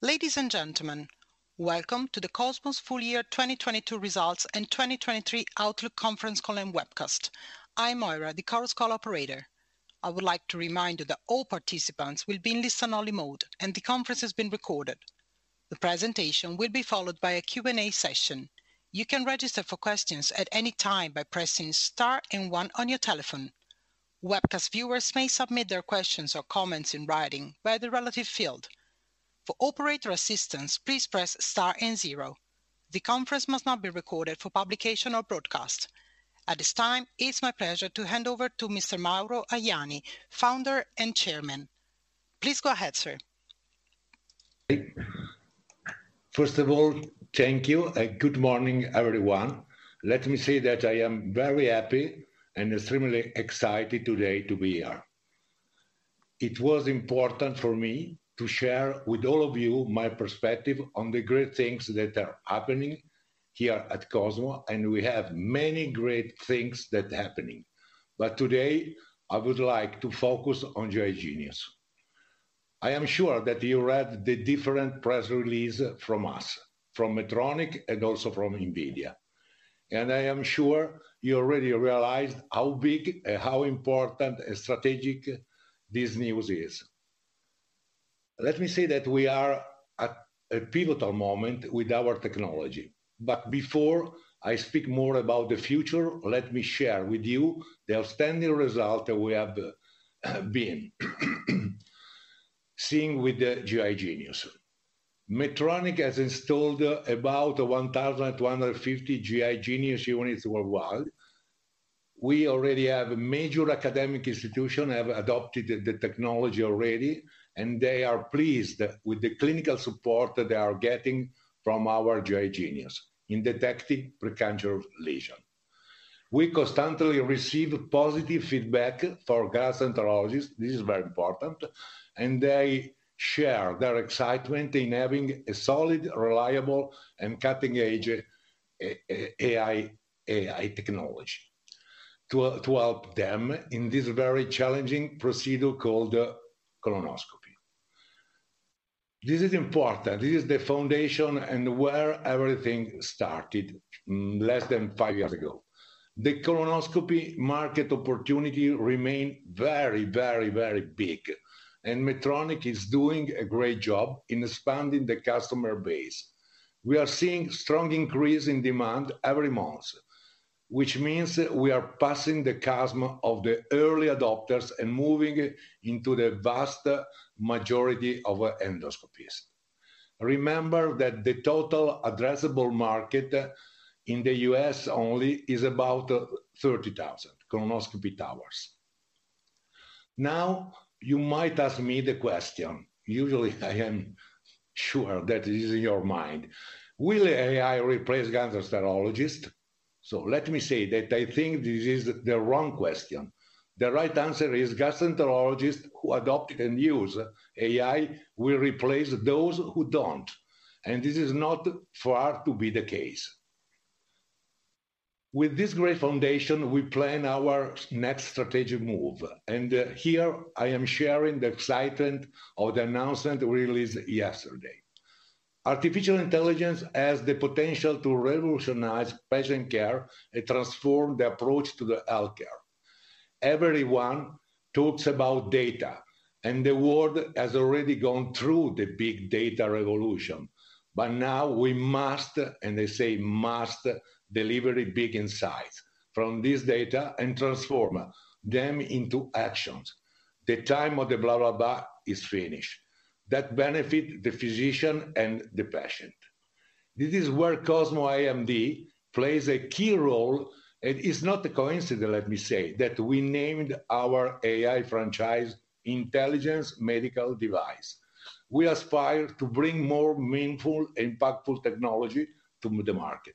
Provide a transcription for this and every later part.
Ladies and gentlemen, welcome to the Cosmo's full year 2022 results and 2023 outlook conference call and webcast. I'm Moira, the conference call operator. I would like to remind you that all participants will be in listen-only mode, and the conference is being recorded. The presentation will be followed by a Q&A session. You can register for questions at any time by pressing star and one on your telephone. Webcast viewers may submit their questions or comments in writing via the relative field. For operator assistance, please press star and zero. The conference must not be recorded for publication or broadcast. At this time, it's my pleasure to hand over to Mr. Mauro Ajani, Founder and Chairman. Please go ahead, sir. First of all, thank you and good morning, everyone. Let me say that I am very happy and extremely excited today to be here. It was important for me to share with all of you my perspective on the great things that are happening here at Cosmo, we have many great things that happening. Today, I would like to focus on GI Genius. I am sure that you read the different press release from us, from Medtronic, and also from NVIDIA. I am sure you already realized how big and how important and strategic this news is. Let me say that we are at a pivotal moment with our technology, before I speak more about the future, let me share with you the outstanding result that we have been seeing with the GI Genius. Medtronic has installed about 1,250 GI Genius units worldwide. We already have major academic institution have adopted the technology already, and they are pleased with the clinical support that they are getting from our GI Genius in detecting precancerous lesion. We constantly receive positive feedback for gastroenterologist. This is very important. They share their excitement in having a solid, reliable, and cutting-edge AI technology to help them in this very challenging procedure called colonoscopy. This is important. This is the foundation and where everything started less than five years ago. The colonoscopy market opportunity remain very, very, very big. Medtronic is doing a great job in expanding the customer base. We are seeing strong increase in demand every month, which means we are passing the chasm of the early adopters and moving into the vast majority of endoscopies. Remember that the total addressable market in the U.S. only is about 30,000 colonoscopy towers. Now, you might ask me the question. Usually, I am sure that is in your mind. Will AI replace gastroenterologists? Let me say that I think this is the wrong question. The right answer is gastroenterologists who adopt and use AI will replace those who don't, and this is not far to be the case. With this great foundation, we plan our next strategic move, and, here I am sharing the excitement of the announcement released yesterday. Artificial intelligence has the potential to revolutionize patient care and transform the approach to the healthcare. Everyone talks about data, and the world has already gone through the big data revolution. Now we must, and I say must, deliver big insights from this data and transform them into actions. The time of the blah, blah is finished. That benefit the physician and the patient. This is where Cosmo IMD plays a key role, and it's not a coincidence, let me say, that we named our AI franchise Intelligent Medical Devices. We aspire to bring more meaningful, impactful technology to the market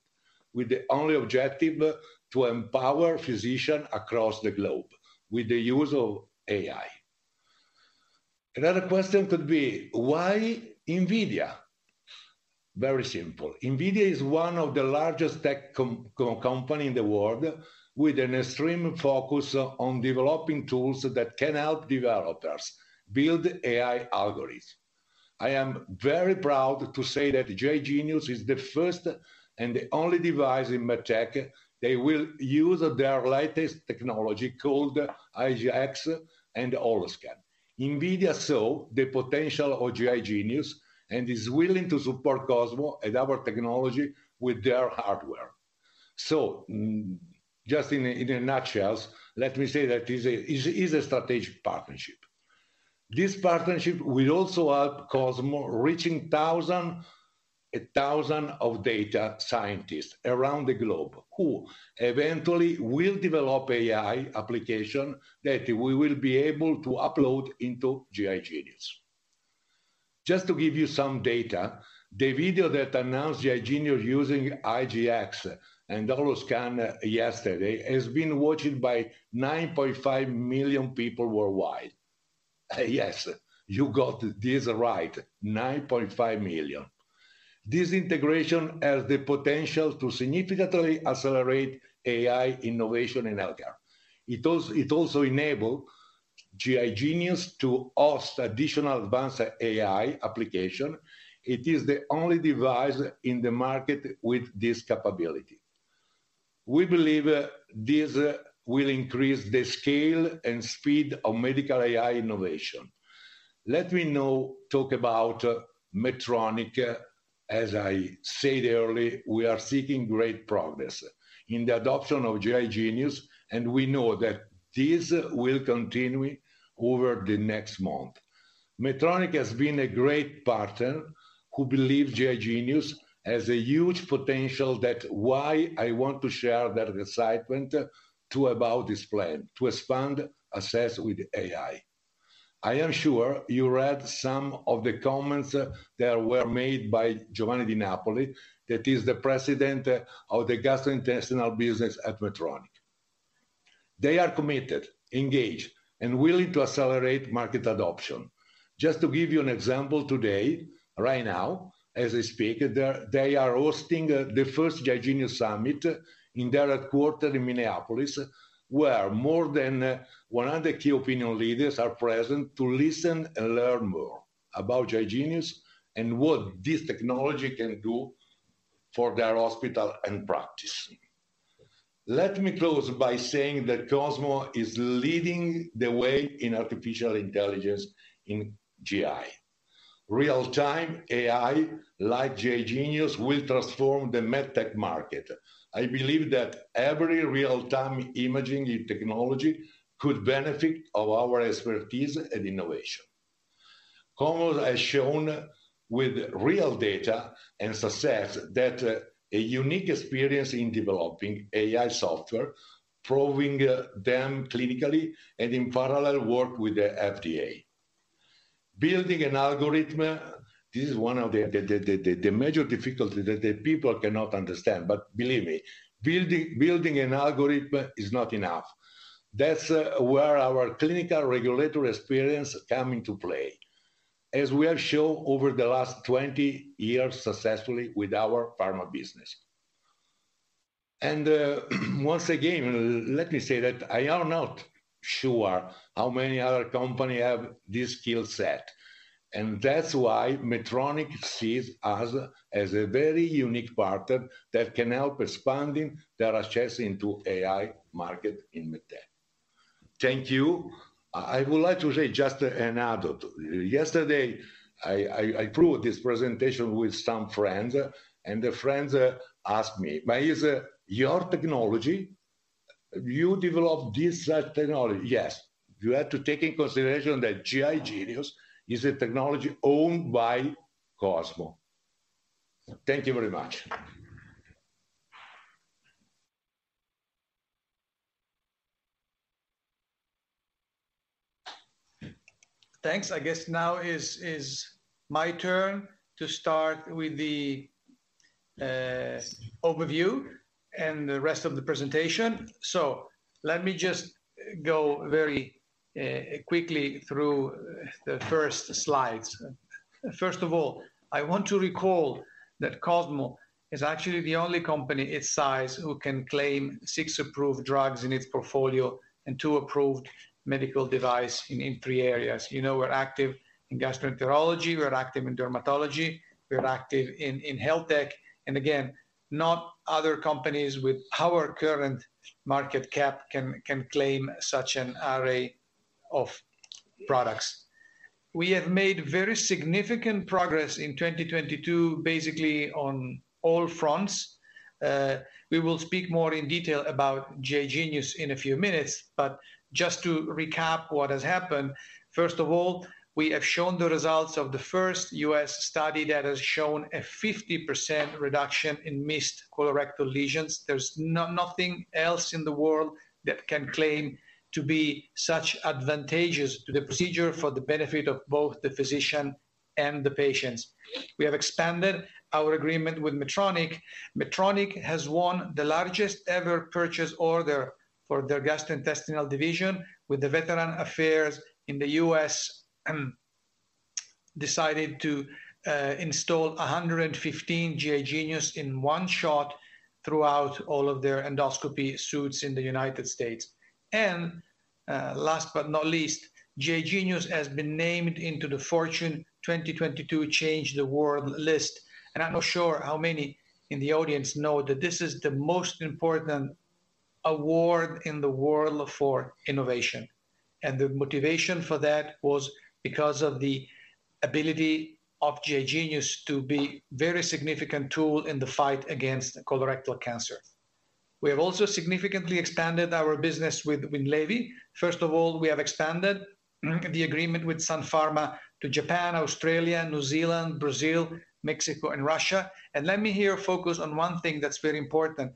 with the only objective to empower physician across the globe with the use of AI. Another question could be: Why NVIDIA? Very simple. NVIDIA is one of the largest tech company in the world with an extreme focus on developing tools that can help developers build AI algorithms. I am very proud to say that GI Genius is the first and the only device in medtech that will use their latest technology called IGX and Holoscan. NVIDIA saw the potential of GI Genius and is willing to support Cosmo and our technology with their hardware. Just in a nutshell, let me say that this is a strategic partnership. This partnership will also help Cosmo reaching thousand and thousand of data scientists around the globe who eventually will develop AI application that we will be able to upload into GI Genius. Just to give you some data, the video that announced GI Genius using IGX and Holoscan yesterday has been watched by 9.5 million people worldwide. You got this right, 9.5 million. This integration has the potential to significantly accelerate AI innovation in healthcare. It also enable GI Genius to host additional advanced AI application. It is the only device in the market with this capability. We believe this will increase the scale and speed of medical AI innovation. Let me now talk about Medtronic. As I said earlier, we are seeking great progress in the adoption of GI Genius. We know that this will continue over the next month. Medtronic has been a great partner who believe GI Genius has a huge potential. That why I want to share their excitement about this plan, to expand access with AI. I am sure you read some of the comments that were made by Giovanni Di Napoli, that is the President of the gastrointestinal business at Medtronic. They are committed, engaged, and willing to accelerate market adoption. Just to give you an example today, right now, as I speak, they are hosting the first GI Genius™ summit in their headquarter in Minneapolis, where more than 100 key opinion leaders are present to listen and learn more about GI Genius and what this technology can do for their hospital and practice. Let me close by saying that Cosmo is leading the way in artificial intelligence in GI. Real-time AI, like GI Genius, will transform the med tech market. I believe that every real-time imaging technology could benefit of our expertise and innovation. Cosmo has shown with real data and success that a unique experience in developing AI software, proving them clinically, and in parallel work with the FDA. Building an algorithm, this is one of the major difficulty that people cannot understand, but believe me, building an algorithm is not enough. That's where our clinical regulatory experience come into play, as we have shown over the last 20 years successfully with our pharma business. Once again, let me say that I am not sure how many other company have this skill set, and that's why Medtronic sees us as a very unique partner that can help expanding their access into AI market in med tech. Thank you. I would like to say just an adult. Yesterday, I approved this presentation with some friends, and the friends asked me, "Is your technology... You developed this technology?" Yes. You have to take in consideration that GI Genius is a technology owned by Cosmo. Thank you very much. Thanks. I guess now is my turn to start with the overview and the rest of the presentation. Let me just go very quickly through the first slides. First of all, I want to recall that Cosmo is actually the only company its size who can claim six approved drugs in its portfolio and two approved medical device in three areas. You know we're active in gastroenterology, we're active in dermatology, we're active in health tech, again, not other companies with our current market cap can claim such an array of products. We have made very significant progress in 2022, basically on all fronts. We will speak more in detail about GI Genius in a few minutes, but just to recap what has happened, first of all, we have shown the results of the first U.S. study that has shown a 50% reduction in missed colorectal lesions. There's nothing else in the world that can claim to be such advantageous to the procedure for the benefit of both the physician and the patients. We have expanded our agreement with Medtronic. Medtronic has won the largest ever purchase order for their gastrointestinal division with the Department of Veterans Affairs in the U.S., decided to install 115 GI Genius in one shot throughout all of their endoscopy suites in the United States. Last but not least, GI Genius has been named into the FORTUNE 2022 Change the World list. I'm not sure how many in the audience know that this is the most important award in the world for innovation. The motivation for that was because of the ability of GI Genius to be very significant tool in the fight against colorectal cancer. We have also significantly expanded our business with Winlevi. First of all, we have expanded the agreement with Sun Pharma to Japan, Australia, New Zealand, Brazil, Mexico, and Russia. Let me here focus on one thing that's very important.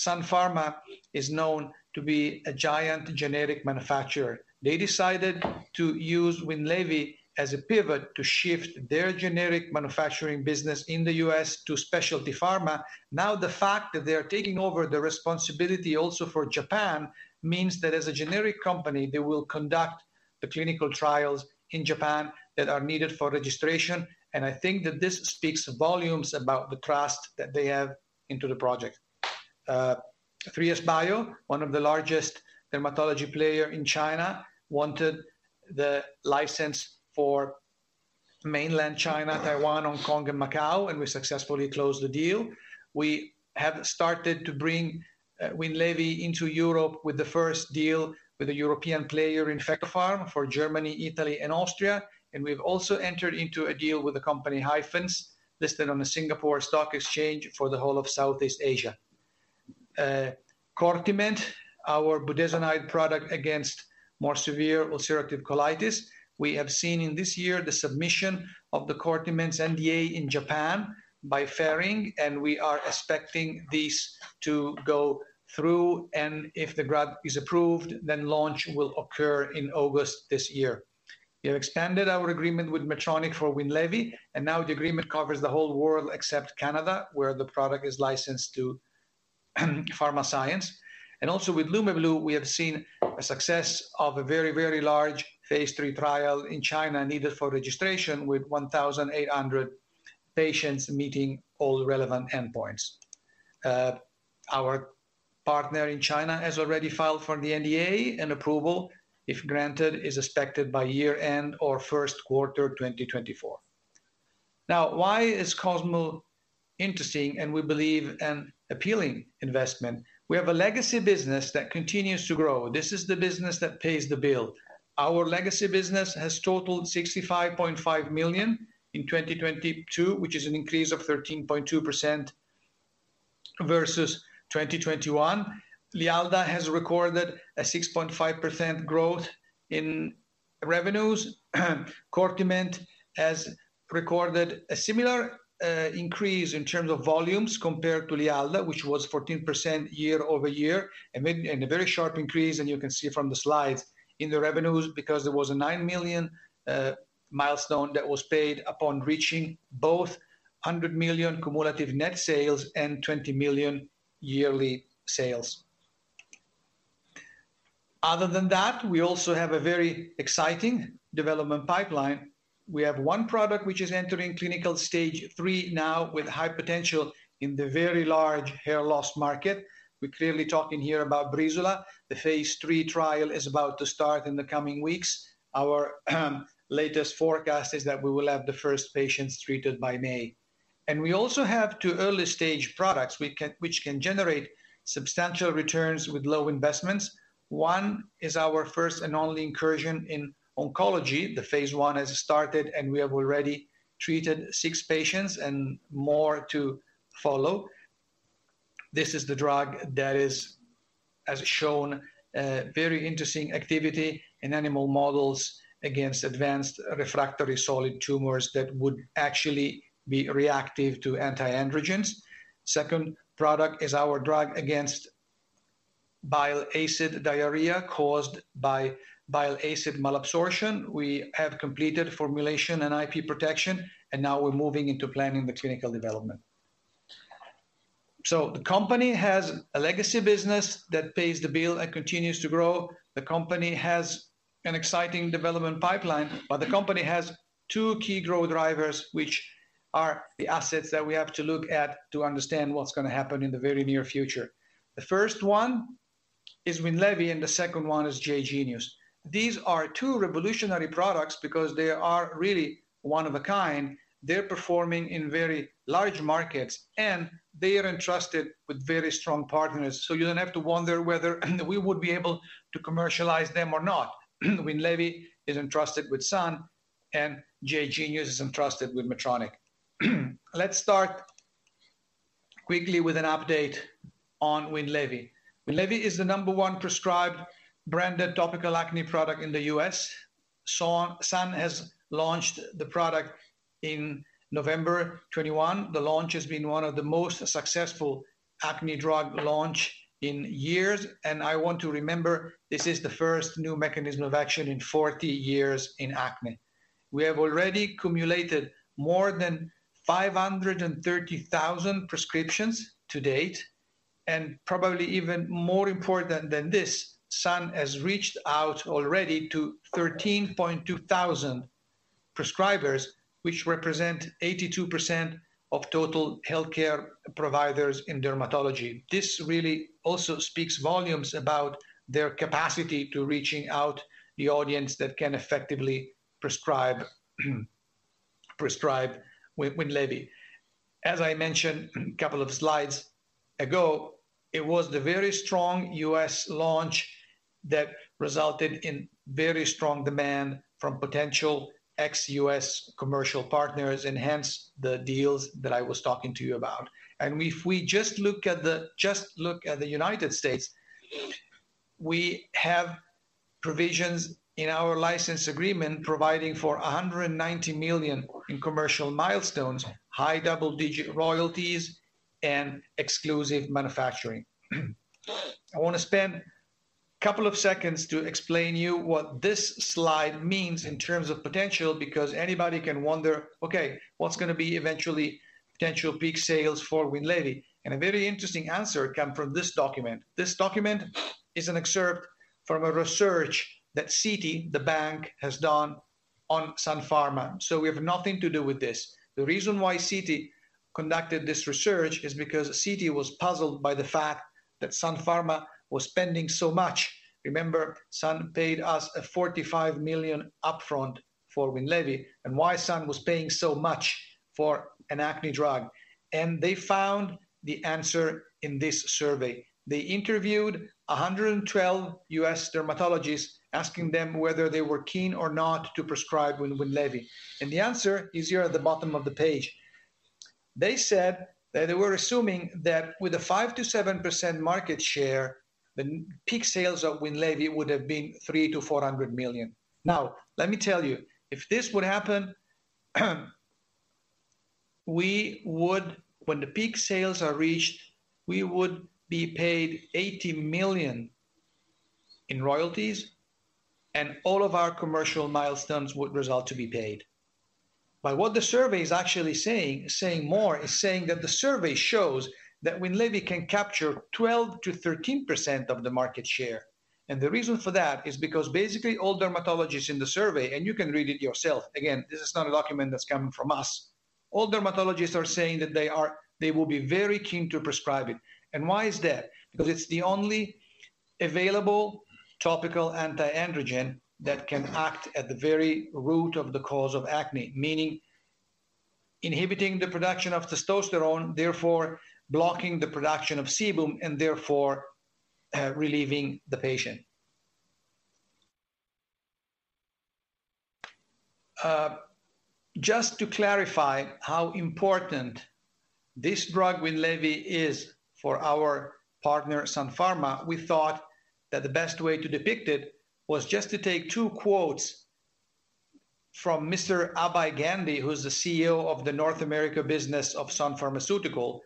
Sun Pharma is known to be a giant generic manufacturer. They decided to use Winlevi as a pivot to shift their generic manufacturing business in the U.S. to specialty pharma. The fact that they are taking over the responsibility also for Japan means that as a generic company, they will conduct The clinical trials in Japan that are needed for registration, and I think that this speaks volumes about the trust that they have into the project. 3SBio, one of the largest dermatology player in China, wanted the license for Mainland China, Taiwan, Hong Kong, and Macau, and we successfully closed the deal. We have started to bring Winlevi into Europe with the first deal with a European player in InfectoPharm for Germany, Italy, and Austria. We've also entered into a deal with a company Hyphens, listed on the Singapore Exchange for the whole of Southeast Asia. Cortiment, our budesonide product against more severe ulcerative colitis. We have seen in this year the submission of the Cortiment's NDA in Japan by Ferring. We are expecting this to go through. If the drug is approved, launch will occur in August this year. We have expanded our agreement with Medtronic for Winlevi. Now the agreement covers the whole world except Canada, where the product is licensed to Pharmascience. With Lumeblue, we have seen a success of a very, very large phase III trial in China needed for registration with 1,800 patients meeting all relevant endpoints. Our partner in China has already filed for the NDA. Approval, if granted, is expected by year-end or Q1 2024. Why is Cosmo interesting and we believe an appealing investment? We have a legacy business that continues to grow. This is the business that pays the bill. Our legacy business has totaled 65.5 million in 2022, which is an increase of 13.2% versus 2021. Lialda has recorded a 6.5% growth in revenues. Cortiment has recorded a similar increase in terms of volumes compared to Lialda, which was 14% year-over-year. Made a very sharp increase, and you can see from the slides, in the revenues because there was a 9 million milestone that was paid upon reaching both 100 million cumulative net sales and 20 million yearly sales. Other than that, we also have a very exciting development pipeline. We have one product which is entering clinical stage three now with high potential in the very large hair loss market. We're clearly talking here about Breezula. The phase III trial is about to start in the coming weeks. Our latest forecast is that we will have the first patients treated by May. We also have two early-stage products which can generate substantial returns with low investments. One is our first and only incursion in oncology. The phase I has started, and we have already treated six patients and more to follow. This is the drug that is, has shown very interesting activity in animal models against advanced refractory solid tumors that would actually be reactive to anti-androgens. Second product is our drug against bile acid diarrhea caused by bile acid malabsorption. We have completed formulation and IP protection, and now we're moving into planning the clinical development. The company has a legacy business that pays the bill and continues to grow. The company has an exciting development pipeline. The company has two key growth drivers, which are the assets that we have to look at to understand what's gonna happen in the very near future. The first one is Winlevi, and the second one is GI Genius. These are two revolutionary products because they are really one of a kind. They're performing in very large markets, and they are entrusted with very strong partners. You don't have to wonder whether we would be able to commercialize them or not. Winlevi is entrusted with Sun, and GI Genius is entrusted with Medtronic. Let's start quickly with an update on Winlevi. Winlevi is the number one prescribed branded topical acne product in the U.S. Sun has launched the product in November 2021. The launch has been one of the most successful acne drug launch in years. I want to remember this is the first new mechanism of action in 40 years in acne. We have already cumulated more than 530,000 prescriptions to date, and probably even more important than this, Sun has reached out already to 13.2 thousand prescribers, which represent 82% of total healthcare providers in dermatology. This really also speaks volumes about their capacity to reaching out the audience that can effectively prescribe Winlevi. As I mentioned a couple of slides ago, it was the very strong U.S. launch that resulted in very strong demand from potential ex-U.S. commercial partners and hence the deals that I was talking to you about. If we just look at the... Just look at the United States, we have provisions in our license agreement providing for $190 million in commercial milestones, high double-digit royalties, and exclusive manufacturing. I wanna spend a couple of seconds to explain you what this slide means in terms of potential, because anybody can wonder, okay, what's gonna be eventually potential peak sales for Winlevi? A very interesting answer come from this document. This document is an excerpt from a research that Citi, the bank, has done on Sun Pharma. We have nothing to do with this. The reason why Citi conducted this research is because Citi was puzzled by the fact that Sun Pharma was spending so much. Remember, Sun paid us $45 million upfront for Winlevi, and why Sun was paying so much for an acne drug. They found the answer in this survey. They interviewed 112 U.S. dermatologists, asking them whether they were keen or not to prescribe Winlevi. The answer is here at the bottom of the page. They said that they were assuming that with a 5%-7% market share, the peak sales of Winlevi would have been $300 million-$400 million. Let me tell you, if this would happen we would. When the peak sales are reached, we would be paid $80 million in royalties, and all of our commercial milestones would result to be paid. What the survey is actually saying more, is saying that the survey shows that Winlevi can capture 12%-13% of the market share. The reason for that is because basically all dermatologists in the survey, and you can read it yourself, again, this is not a document that's coming from us, all dermatologists are saying that they will be very keen to prescribe it. Why is that? Because it's the only available topical anti-androgen that can act at the very root of the cause of acne, meaning inhibiting the production of testosterone, therefore blocking the production of sebum, and therefore, relieving the patient. Just to clarify how important this drug Winlevi is for our partner, Sun Pharma, we thought that the best way to depict it was just to take two quotes from Mr. Abhay Gandhi, who's the CEO of the North America business of Sun Pharmaceutical,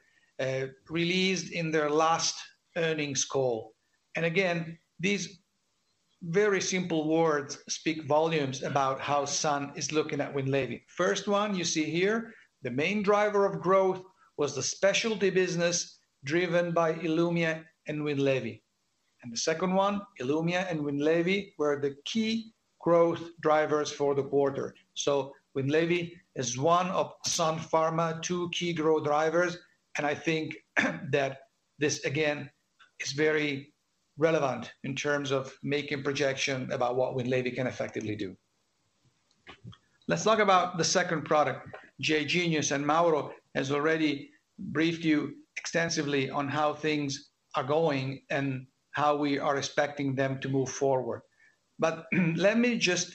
released in their last earnings call. Again, these very simple words speak volumes about how Sun is looking at Winlevi. First one you see here, "The main driver of growth was the specialty business driven by ILUMYA and Winlevi." The second one, "ILUMYA and Winlevi were the key growth drivers for the quarter." Winlevi is one of Sun Pharma, two key growth drivers, I think that this again is very relevant in terms of making projection about what Winlevi can effectively do. Let's talk about the second product, GI Genius. Mauro has already briefed you extensively on how things are going and how we are expecting them to move forward. Let me just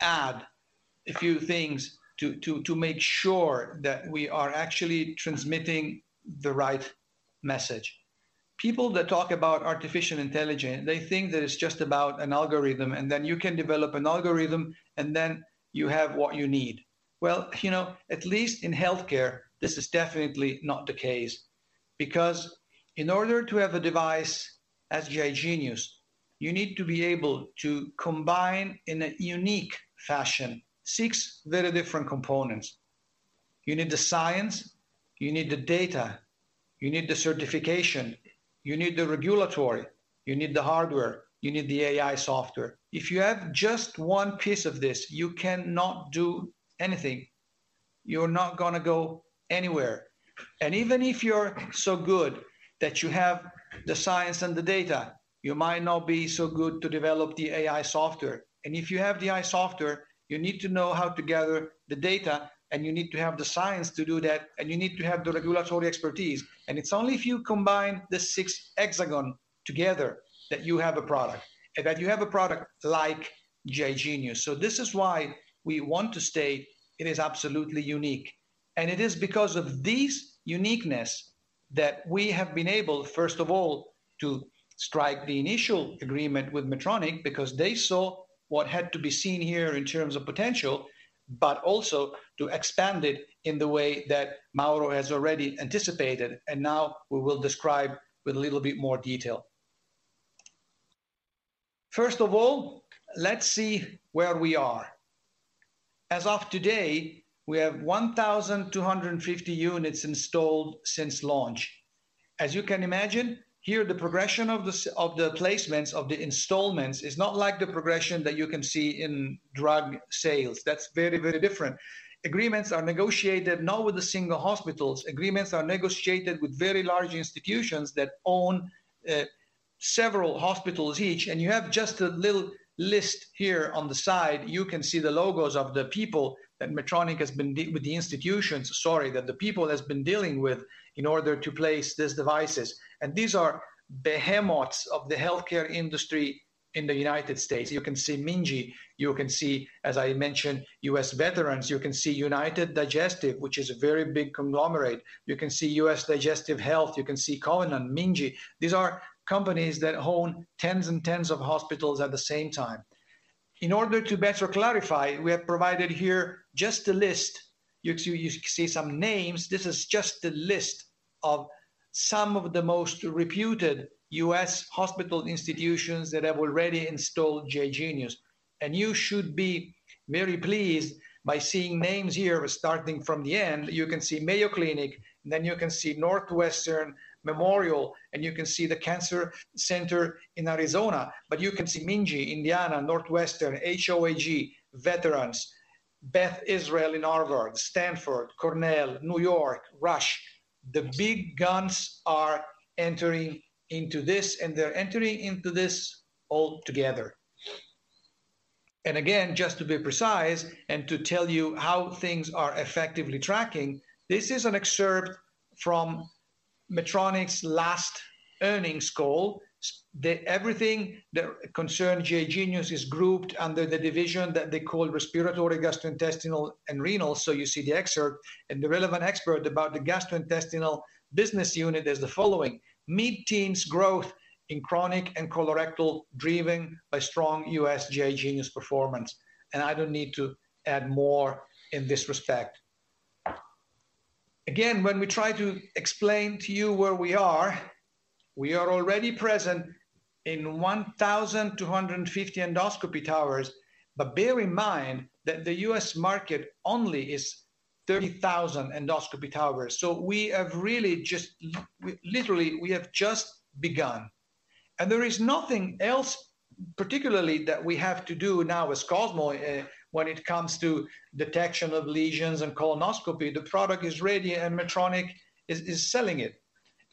add a few things to make sure that we are actually transmitting the right message. People that talk about artificial intelligence, they think that it's just about an algorithm, and then you can develop an algorithm, and then you have what you need. Well, you know, at least in healthcare, this is definitely not the case. In order to have a device as GI Genius, you need to be able to combine in a unique fashion six very different components. You need the science, you need the data, you need the certification, you need the regulatory, you need the hardware, you need the AI software. If you have just one piece of this, you cannot do anything. You're not gonna go anywhere. Even if you're so good that you have the science and the data, you might not be so good to develop the AI software. If you have the AI software, you need to know how to gather the data, and you need to have the science to do that, and you need to have the regulatory expertise. It's only if you combine the six hexagon together that you have a product, and that you have a product like GI Genius. This is why we want to state it is absolutely unique. It is because of this uniqueness that we have been able, first of all, to strike the initial agreement with Medtronic because they saw what had to be seen here in terms of potential, but also to expand it in the way that Mauro has already anticipated and now we will describe with a little bit more detail. First of all, let's see where we are. As of today, we have 1,250 units installed since launch. As you can imagine, here the progression of the placements of the installments is not like the progression that you can see in drug sales. That's very, very different. Agreements are negotiated not with the single hospitals. Agreements are negotiated with very large institutions that own several hospitals each. You have just a little list here on the side. You can see the logos of the people that Medtronic has been with the institutions, sorry, that the people has been dealing with in order to place these devices. These are behemoths of the healthcare industry in the United States. You can see Mingei. You can see, as I mentioned, U.S. Veterans. You can see United Digestive, which is a very big conglomerate. You can see US Digestive Health. You can see Conant, Mingei. These are companies that own tens and tens of hospitals at the same time. In order to better clarify, we have provided here just a list. You see some names. This is just a list of some of the most reputed U.S. hospital institutions that have already installed GI Genius. You should be very pleased by seeing names here starting from the end. You can see Mayo Clinic, then you can see Northwestern Memorial, and you can see the cancer center in Arizona. You can see Minge, Indiana, Northwestern, Hoag, Veterans, Beth Israel in Harvard, Stanford, Cornell, New York, Rush. The big guns are entering into this, and they're entering into this all together. Again, just to be precise and to tell you how things are effectively tracking, this is an excerpt from Medtronic's last earnings call. Everything that concerned GI Genius is grouped under the division that they call Respiratory, Gastrointestinal, and Renal. You see the excerpt, and the relevant excerpt about the gastrointestinal business unit is the following. Mid-teens growth in chronic and colorectal driven by strong U.S. GI Genius performance. I don't need to add more in this respect. Again, when we try to explain to you where we are, we are already present in 1,250 endoscopy towers. Bear in mind that the U.S. market only is 30,000 endoscopy towers. We have really just Literally, we have just begun. There is nothing else particularly that we have to do now with Cosmo when it comes to detection of lesions and colonoscopy. The product is ready, and Medtronic is selling it.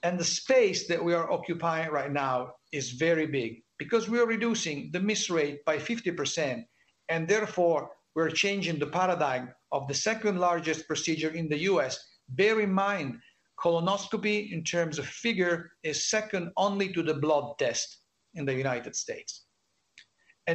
The space that we are occupying right now is very big because we are reducing the miss rate by 50%, and therefore we're changing the paradigm of the second-largest procedure in the US. Bear in mind, colonoscopy, in terms of figure, is second only to the blood test in the United States.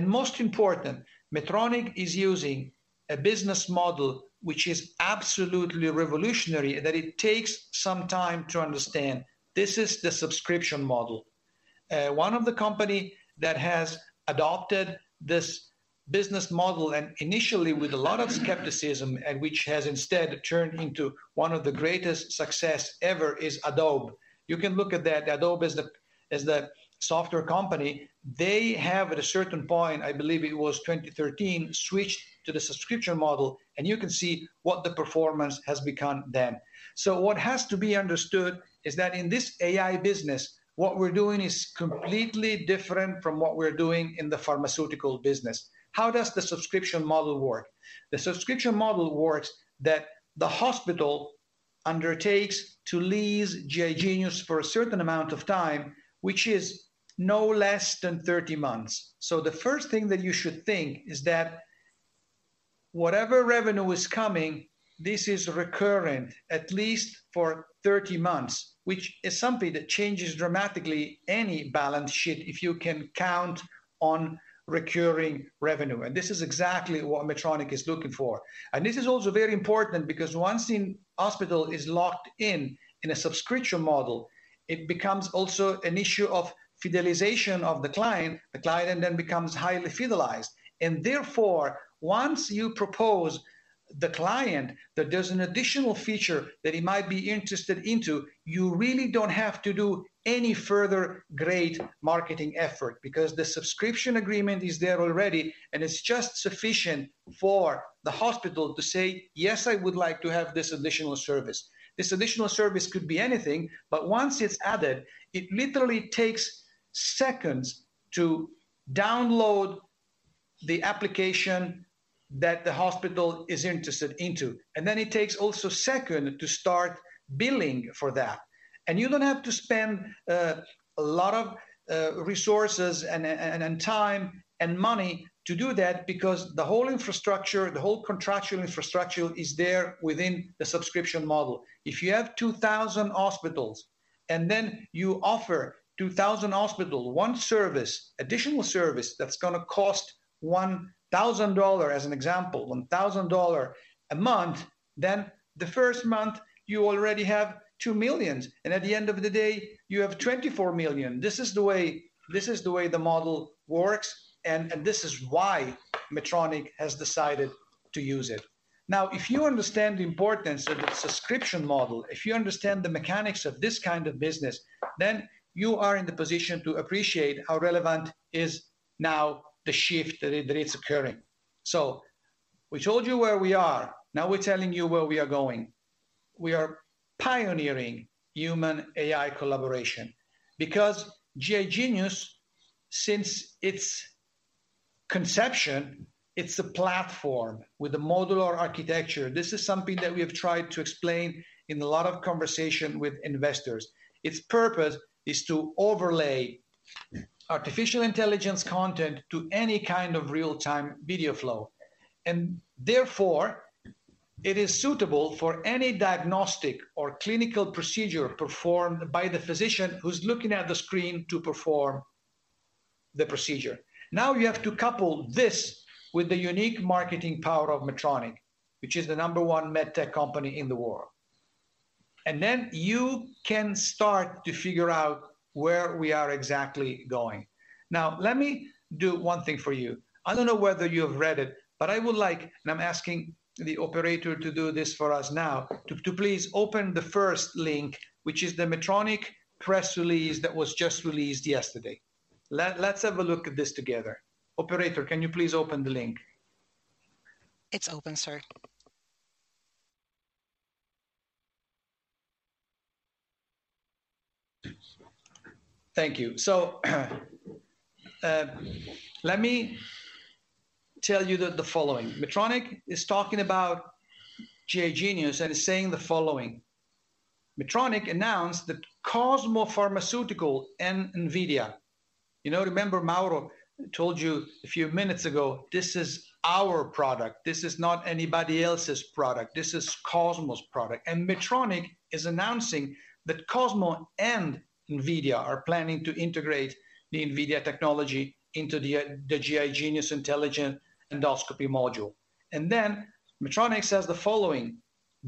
Most important, Medtronic is using a business model which is absolutely revolutionary that it takes some time to understand. This is the subscription model. One of the company that has adopted this business model, and initially with a lot of skepticism, and which has instead turned into one of the greatest success ever, is Adobe. You can look at that. Adobe is the software company. They have, at a certain point, I believe it was 2013, switched to the subscription model, and you can see what the performance has become then. What has to be understood is that in this AI business, what we're doing is completely different from what we're doing in the pharmaceutical business. How does the subscription model work? The subscription model works that the hospital undertakes to lease GI Genius for a certain amount of time, which is no less than 30 months. The first thing that you should think is that whatever revenue is coming, this is recurring at least for 30 months, which is something that changes dramatically any balance sheet if you can count on recurring revenue. This is exactly what Medtronic is looking for. This is also very important because once in hospital is locked in a subscription model, it becomes also an issue of fidelization of the client. The client then becomes highly fidelized. Therefore, once you propose the client that there's an additional feature that he might be interested into, you really don't have to do any further great marketing effort because the subscription agreement is there already, and it's just sufficient for the hospital to say, "Yes, I would like to have this additional service." This additional service could be anything, but once it's added, it literally takes seconds to download the application that the hospital is interested into. Then it takes also second to start billing for that. You don't have to spend a lot of resources and time and money to do that because the whole infrastructure, the whole contractual infrastructure is there within the subscription model. If you have 2,000 hospitals, and then you offer 2,000 hospital one service, additional service that's gonna cost EUR 1,000, as an example, EUR 1,000 a month, then the first month you already have 2 million, and at the end of the day, you have 24 million. This is the way the model works, and this is why Medtronic has decided to use it. If you understand the importance of the subscription model, if you understand the mechanics of this kind of business, then you are in the position to appreciate how relevant is now the shift that it's occurring. We told you where we are. We're telling you where we are going. We are pioneering human AI collaboration because GI Genius, since its conception, it's a platform with a modular architecture. This is something that we have tried to explain in a lot of conversation with investors. Its purpose is to overlay artificial intelligence content to any kind of real-time video flow. Therefore, it is suitable for any diagnostic or clinical procedure performed by the physician who's looking at the screen to perform the procedure. You have to couple this with the unique marketing power of Medtronic, which is the number 1 med tech company in the world. Then you can start to figure out where we are exactly going. Let me do one thing for you. I don't know whether you have read it, but I would like, and I'm asking the operator to do this for us now, to please open the first link, which is the Medtronic press release that was just released yesterday. Let's have a look at this together. Operator, can you please open the link? It's open, sir. Thank you. Let me tell you the following. Medtronic is talking about GI Genius and is saying the following. Medtronic announced that Cosmo Pharmaceuticals and NVIDIA... You know, remember Mauro told you a few minutes ago, "This is our product. This is not anybody else's product. This is Cosmo's product." Medtronic is announcing that Cosmo and NVIDIA are planning to integrate the NVIDIA technology into the GI Genius intelligent endoscopy module. Medtronic says the following: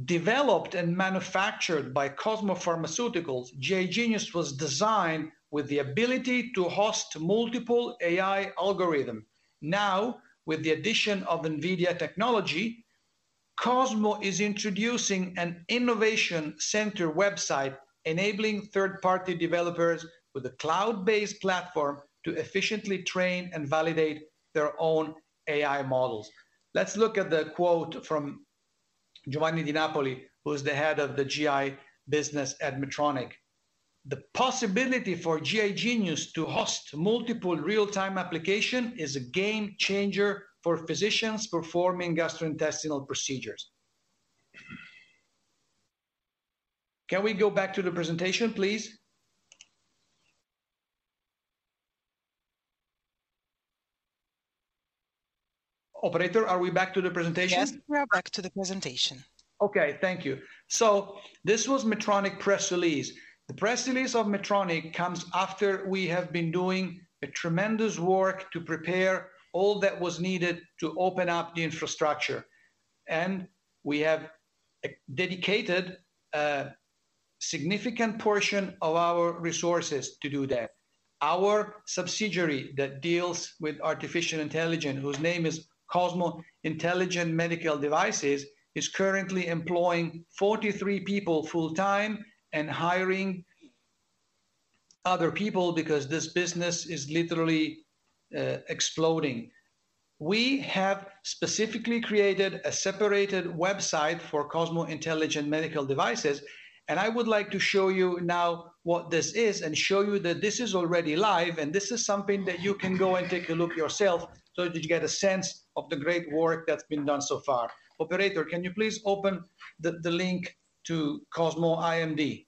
"Developed and manufactured by Cosmo Pharmaceuticals, GI Genius was designed with the ability to host multiple AI algorithm. Now, with the addition of NVIDIA technology, Cosmo is introducing an innovation center website enabling third-party developers with a cloud-based platform to efficiently train and validate their own AI models." Let's look at the quote from Giovanni Di Napoli, who is the head of the GI business at Medtronic. The possibility for GI Genius to host multiple real-time application is a game changer for physicians performing gastrointestinal procedures." Can we go back to the presentation, please? Operator, are we back to the presentation? Yes, we are back to the presentation. Okay, thank you. This was Medtronic press release. The press release of Medtronic comes after we have been doing a tremendous work to prepare all that was needed to open up the infrastructure, and we have dedicated a significant portion of our resources to do that. Our subsidiary that deals with artificial intelligence, whose name is Cosmo Intelligent Medical Devices, is currently employing 43 people full time and hiring other people because this business is literally exploding. We have specifically created a separated website for Cosmo Intelligent Medical Devices. I would like to show you now what this is and show you that this is already live, and this is something that you can go and take a look yourself so that you get a sense of the great work that's been done so far. Operator, can you please open the link to Cosmo IMD?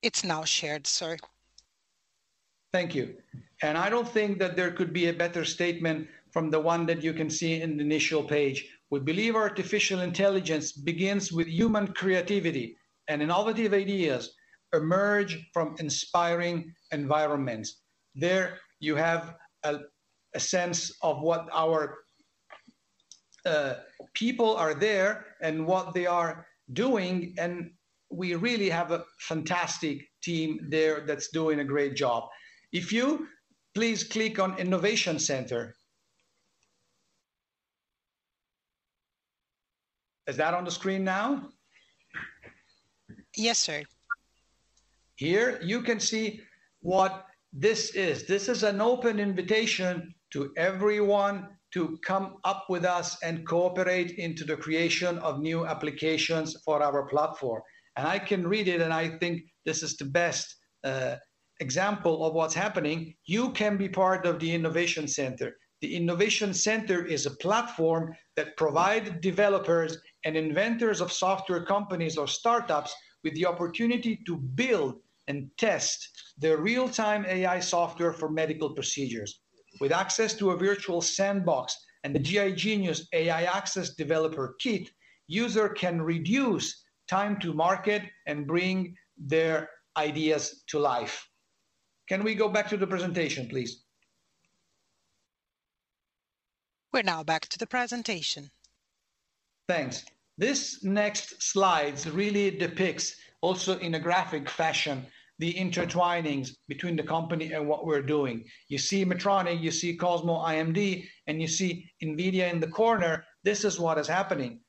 It's now shared, sir. Thank you. I don't think that there could be a better statement from the one that you can see in the initial page. "We believe artificial intelligence begins with human creativity, and innovative ideas emerge from inspiring environments." There you have a sense of what our people are there and what they are doing, and we really have a fantastic team there that's doing a great job. If you please click on Innovation Center. Is that on the screen now? Yes, sir. Here you can see what this is. This is an open invitation to everyone to come up with us and cooperate into the creation of new applications for our platform. I can read it, and I think this is the best example of what's happening. "You can be part of the Innovation Center. The Innovation Center is a platform that provide developers and inventors of software companies or startups with the opportunity to build and test their real-time AI software for medical procedures. With access to a virtual sandbox and the GI Genius AI Access developer kit, user can reduce time to market and bring their ideas to life." Can we go back to the presentation, please? We're now back to the presentation. Thanks. This next slides really depicts also in a graphic fashion, the intertwinings between the company and what we're doing. You see Medtronic, you see Cosmo IMD, and you see NVIDIA in the corner. This is what is happening.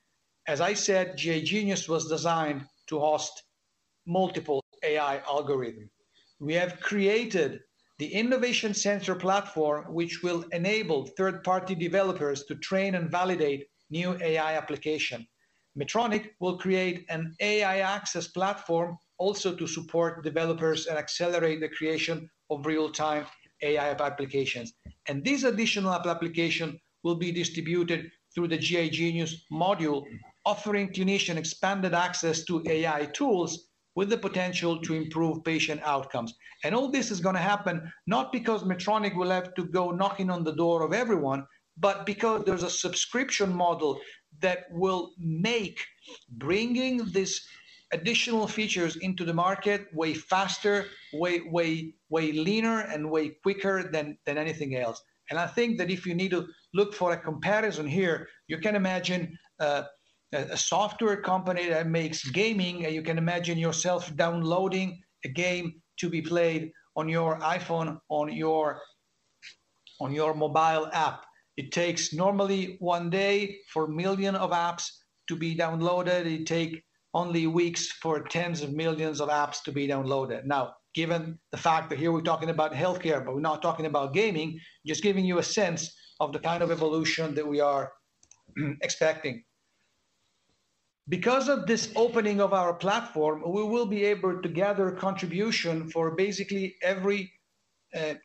As I said, GI Genius was designed to host multiple AI algorithm. We have created the Innovation Center platform, which will enable third-party developers to train and validate new AI application. Medtronic will create an AI Access platform also to support developers and accelerate the creation of real-time AI applications. These additional application will be distributed through the GI Genius module, offering clinician expanded access to AI tools with the potential to improve patient outcomes. All this is gonna happen not because Medtronic will have to go knocking on the door of everyone, but because there's a subscription model that will make bringing these additional features into the market way faster, way leaner, and way quicker than anything else. I think that if you need to look for a comparison here, you can imagine a software company that makes gaming, and you can imagine yourself downloading a game to be played on your iPhone, on your mobile app. It takes normally one day for million of apps to be downloaded. It take only weeks for tens of millions of apps to be downloaded. Given the fact that here we're talking about healthcare, but we're not talking about gaming, just giving you a sense of the kind of evolution that we are expecting. Because of this opening of our platform, we will be able to gather contribution for basically every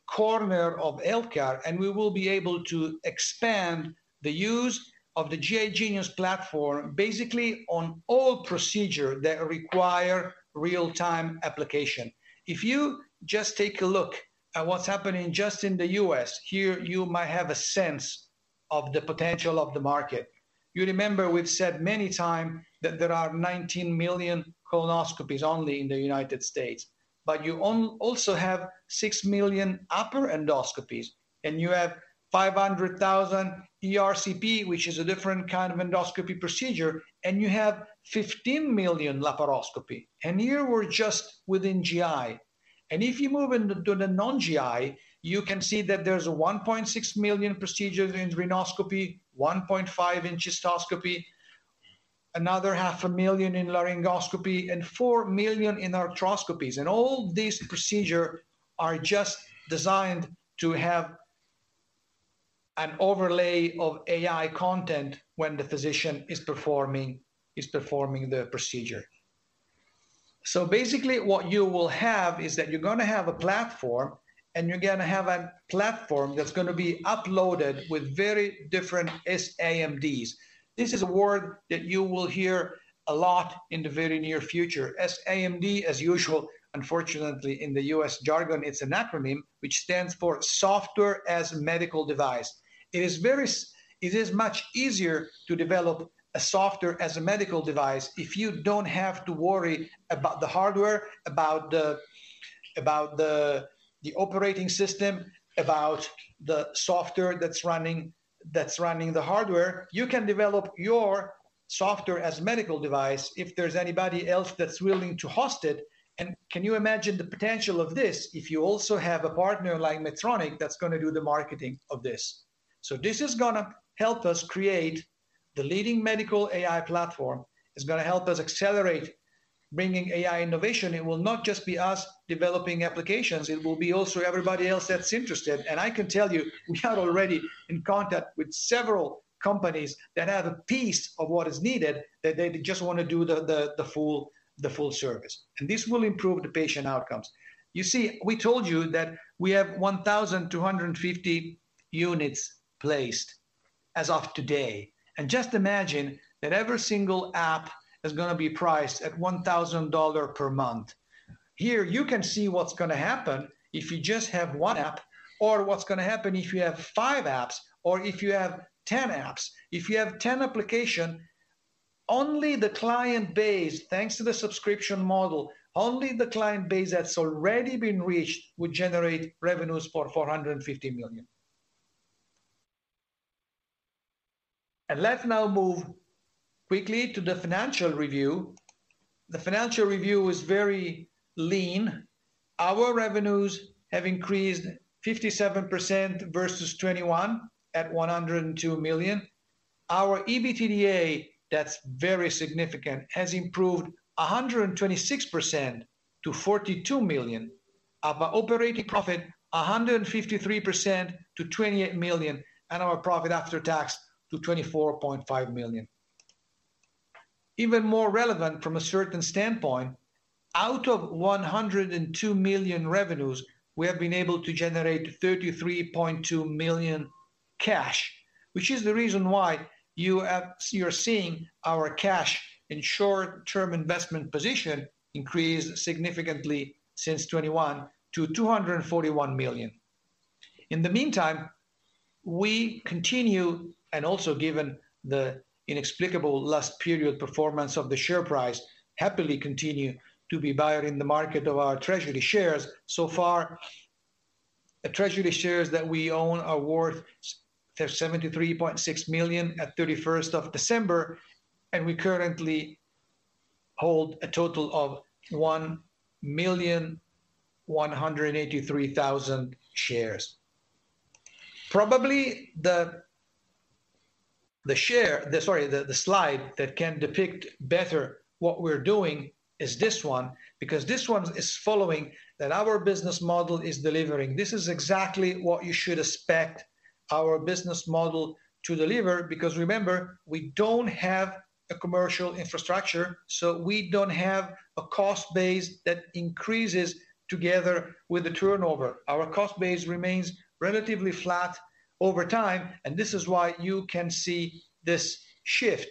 corner of healthcare, and we will be able to expand the use of the GI Genius platform basically on all procedure that require real-time application. If you just take a look at what's happening just in the U.S., here you might have a sense of the potential of the market. You remember we've said many time that there are 19 million colonoscopies only in the United States. You also have 6 million upper endoscopies, and you have 500,000 ERCP, which is a different kind of endoscopy procedure, and you have 15 million laparoscopy. Here we're just within GI. If you move into the non-GI, you can see that there's a 1.6 million procedures in rhinoscopy, 1.5 million in cystoscopy, another half a million in laryngoscopy, and 4 million in arthroscopies. All these procedure are just designed to have an overlay of AI content when the physician is performing the procedure. Basically what you will have is that you're gonna have a platform, and you're gonna have a platform that's gonna be uploaded with very different SaMDs. This is a word that you will hear a lot in the very near future. SaMD, as usual, unfortunately, in the U.S. jargon, it's an acronym which stands for Software as a Medical Device. It is much easier to develop a Software as a Medical Device if you don't have to worry about the hardware, about the operating system, about the software that's running, that's running the hardware. You can develop your Software as a Medical Device if there's anybody else that's willing to host it. Can you imagine the potential of this if you also have a partner like Medtronic that's gonna do the marketing of this? This is gonna help us create the leading medical AI platform. It's gonna help us accelerate bringing AI innovation. It will not just be us developing applications, it will be also everybody else that's interested. I can tell you, we are already in contact with several companies that have a piece of what is needed, that they just wanna do the full service. This will improve the patient outcomes. You see, we told you that we have 1,250 units placed as of today. Just imagine that every single app is gonna be priced at $1,000 per month. Here you can see what's gonna happen if you just have one app or what's gonna happen if you have five apps or if you have 10 apps. If you have 10 applications, only the client base, thanks to the subscription model, only the client base that's already been reached would generate revenues for $450 million. Let's now move quickly to the financial review. The financial review is very lean. Our revenues have increased 57% versus 2021 at 102 million. Our EBITDA, that's very significant, has improved 126% to 42 million. Our operating profit, 153% to 28 million. Our profit after tax to 24.5 million. Even more relevant from a certain standpoint, out of 102 million revenues, we have been able to generate 33.2 million cash, which is the reason why you're seeing our cash in short-term investment position increase significantly since 2021 to 241 million. In the meantime, we continue. Also given the inexplicable last period performance of the share price, happily continue to be buyer in the market of our treasury shares. So far, the treasury shares that we own are worth they're 73.6 million at 31st of December. We currently hold a total of 1,183,000 shares. Probably the slide that can depict better what we're doing is this one. This one is following that our business model is delivering. This is exactly what you should expect our business model to deliver. Remember, we don't have a commercial infrastructure. We don't have a cost base that increases together with the turnover. Our cost base remains relatively flat over time. This is why you can see this shift.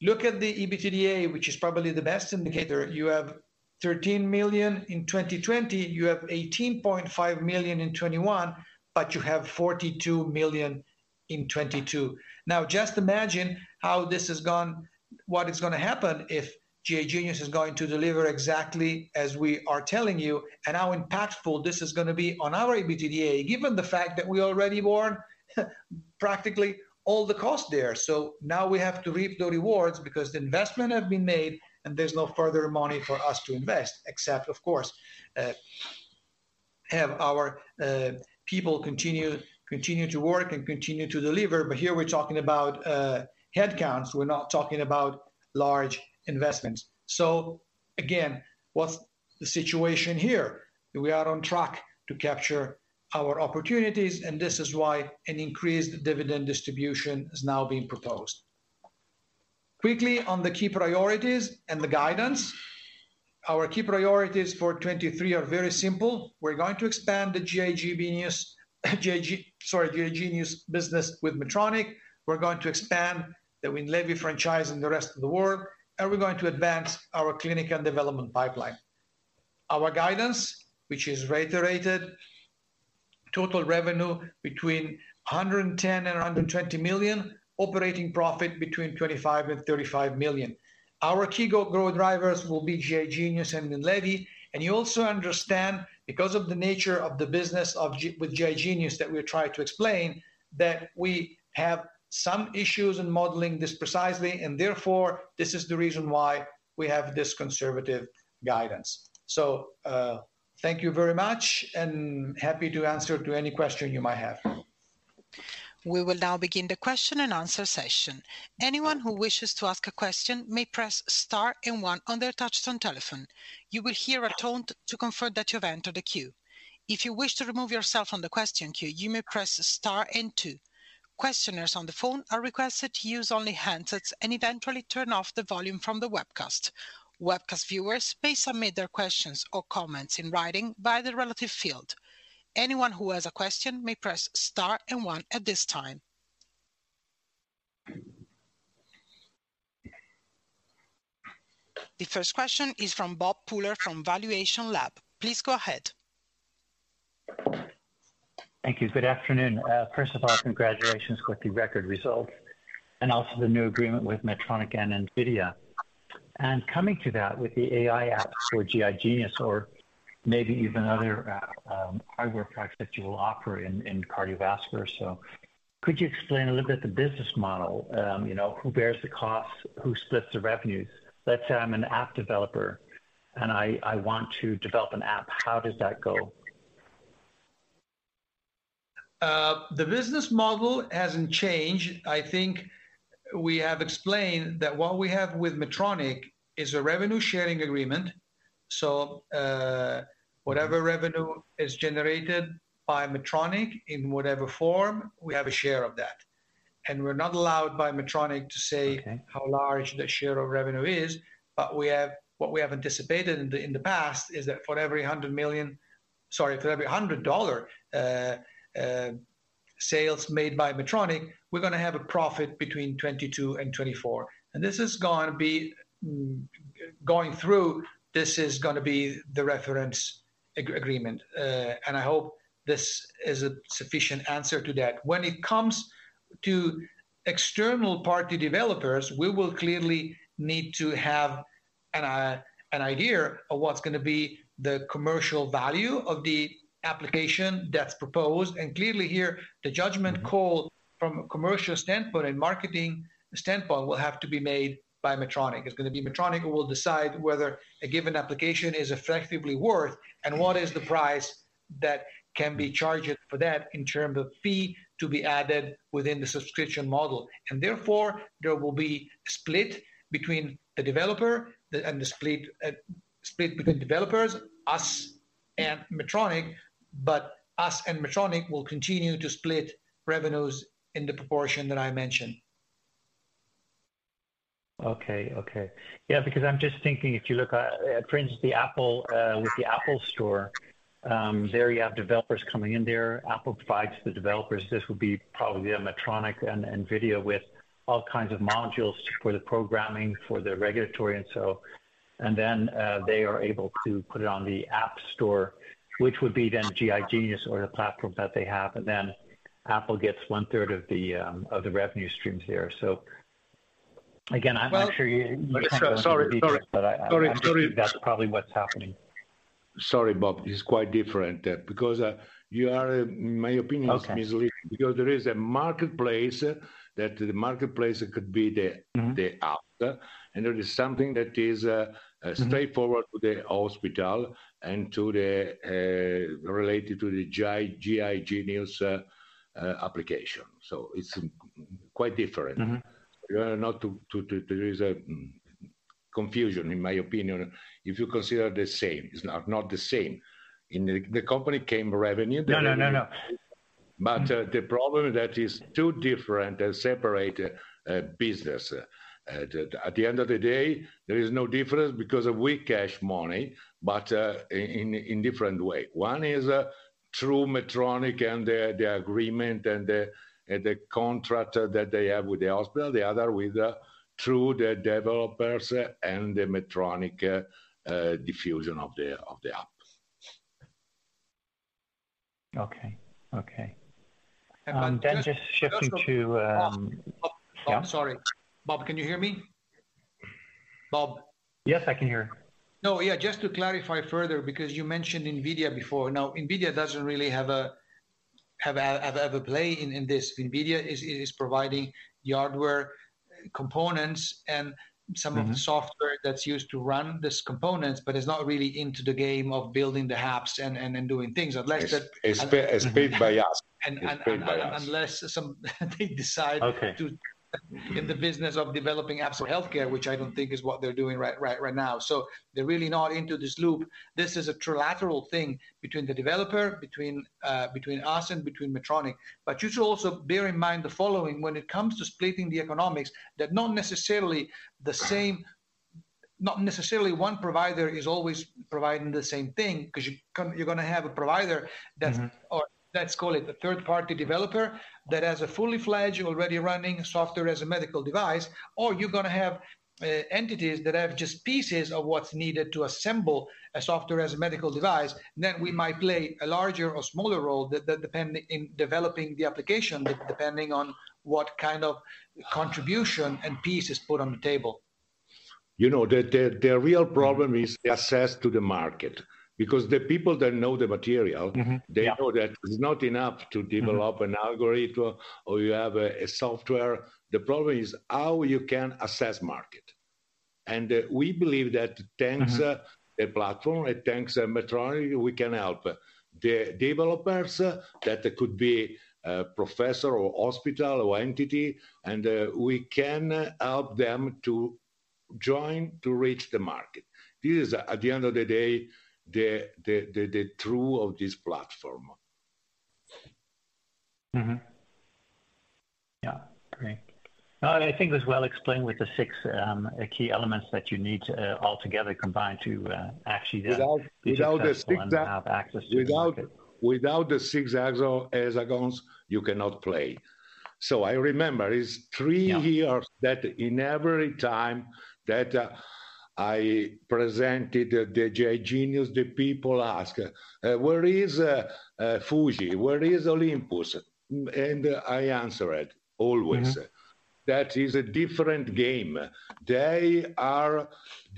Look at the EBITDA, which is probably the best indicator. You have 13 million in 2020, you have 18.5 million in 2021. You have 42 million in 2022. Now, just imagine how this has gone, what is going to happen if GI Genius is going to deliver exactly as we are telling you, and how impactful this is going to be on our EBITDA, given the fact that we already were practically all the cost there. Now we have to reap the rewards because the investment have been made, and there's no further money for us to invest, except, of course, have our people continue to work and continue to deliver. Here we're talking about headcounts, we're not talking about large investments. Again, what's the situation here? We are on track to capture our opportunities, and this is why an increased dividend distribution is now being proposed. Quickly on the key priorities and the guidance. Our key priorities for 2023 are very simple. We're going to expand the GI Genius, sorry, GI Genius business with Medtronic. We're going to expand the Winlevi franchise in the rest of the world, and we're going to advance our clinical development pipeline. Our guidance, which is reiterated, total revenue between 110 million and 120 million, operating profit between 25 million and 35 million. Our key go-grow drivers will be GI Genius and Winlevi. You also understand, because of the nature of the business with GI Genius that we try to explain, that we have some issues in modeling this precisely, and therefore, this is the reason why we have this conservative guidance. Thank you very much and happy to answer to any question you might have. We will now begin the question-and-answer session. Anyone who wishes to ask a question may press star and one on their touch-tone telephone. You will hear a tone to confirm that you've entered the queue. If you wish to remove yourself from the question queue, you may press star and two. Questioners on the phone are requested to use only handsets and eventually turn off the volume from the webcast. Webcast viewers may submit their questions or comments in writing via the relative field. Anyone who has a question may press star and one at this time. The first question is from Bob Pooler from valuationLAB. Please go ahead. Thank you. Good afternoon. First of all, congratulations with the record results and also the new agreement with Medtronic and NVIDIA. Coming to that, with the AI apps for GI Genius or maybe even other hardware products that you will offer in cardiovascular. Could you explain a little bit the business model? You know, who bears the costs? Who splits the revenues? Let's say I'm an app developer and I want to develop an app. How does that go? The business model hasn't changed. I think we have explained that what we have with Medtronic is a revenue-sharing agreement. Whatever revenue is generated by Medtronic, in whatever form, we have a share of that. We're not allowed by Medtronic to say- Okay. -how large the share of revenue is. What we have anticipated in the, in the past is that for every $100 million, sorry, for every $100 sales made by Medtronic, we're gonna have a profit between $22 and $24. This is gonna be going through, this is gonna be the reference agreement. I hope this is a sufficient answer to that. When it comes to external party developers, we will clearly need to have an idea of what's gonna be the commercial value of the application that's proposed. Clearly here, the judgment call. Mm-hmm. from a commercial standpoint and marketing standpoint will have to be made by Medtronic. It's gonna be Medtronic who will decide whether a given application is effectively worth and what is the price that can be charged for that in terms of fee to be added within the subscription model. Therefore, there will be split between the developer, the, and the split between developers, us and Medtronic, but us and Medtronic will continue to split revenues in the proportion that I mentioned. Okay. Yeah, because I'm just thinking, if you look at, for instance, the Apple, with the App Store, there you have developers coming in there. Apple provides the developers, this would be probably Medtronic and NVIDIA with all kinds of modules for the programming, for the regulatory and so. Then they are able to put it on the App Store, which would be then GI Genius or the platform that they have. Then Apple gets 1/3 of the, of the revenue streams there. Again, I'm not sure you- Well, sorry. Sorry. Sorry. Sorry. I think that's probably what's happening. Sorry, Bob, it's quite different. You are, in my opinion. Okay. misleading. There is a marketplace. Mm-hmm. The app, there is something that is. Mm-hmm. Straightforward to the hospital and to the, related to the GI Genius application. It's quite different. Mm-hmm. You are not to. There is a confusion, in my opinion, if you consider the same. It's not the same. In the company came. No, no, no. The problem that is two different and separate business. At the end of the day, there is no difference because we cash money, but in different way. One is through Medtronic and the agreement and the contract that they have with the hospital. The other with through the developers and the Medtronic diffusion of the app. Okay. Okay. And then just- Just shifting to. Bob. Yeah. Sorry. Bob, can you hear me? Bob? Yes, I can hear. Yeah, just to clarify further, because you mentioned NVIDIA before. NVIDIA doesn't really have a play in this. NVIDIA is providing hardware components. Mm-hmm. Some of the software that's used to run these components. It's not really into the game of building the apps and then doing things. It's paid by us. It's paid by us. Unless they decide to... Okay. in the business of developing apps for healthcare, which I don't think is what they're doing right now. They're really not into this loop. This is a trilateral thing between the developer, between us, and between Medtronic. You should also bear in mind the following: when it comes to splitting the economics, that not necessarily the same. Not necessarily one provider is always providing the same thing, 'cause you're gonna have a provider that's. Mm-hmm. Let's call it a third-party developer that has a fully fledged, already running Software as a Medical Device, or you're gonna have entities that have just pieces of what's needed to assemble a Software as a Medical Device. We might play a larger or smaller role depending in developing the application, depending on what kind of contribution and piece is put on the table. You know, the real problem is the access to the market. The people that know. Mm-hmm. Yeah. they know that it's not enough to develop Mm-hmm. -an algorithm or you have a software. The problem is how you can access market. We believe that thanks- Mm-hmm. the platform and thanks to Medtronic, we can help the developers, that they could be a professor or hospital or entity, and we can help them to join to reach the market. This is, at the end of the day, the true of this platform. Mm-hmm. Yeah. Great. No, I think it was well explained with the six key elements that you need all together combined to actually. Without the six. Be successful and have access to the market. Without the six hexagons, you cannot play. I remember it's three years. Yeah. that in every time that, I presented the GI Genius, the people ask, "Where is Fujifilm? Where is Olympus?" I answer it always. Mm-hmm. That is a different game. They are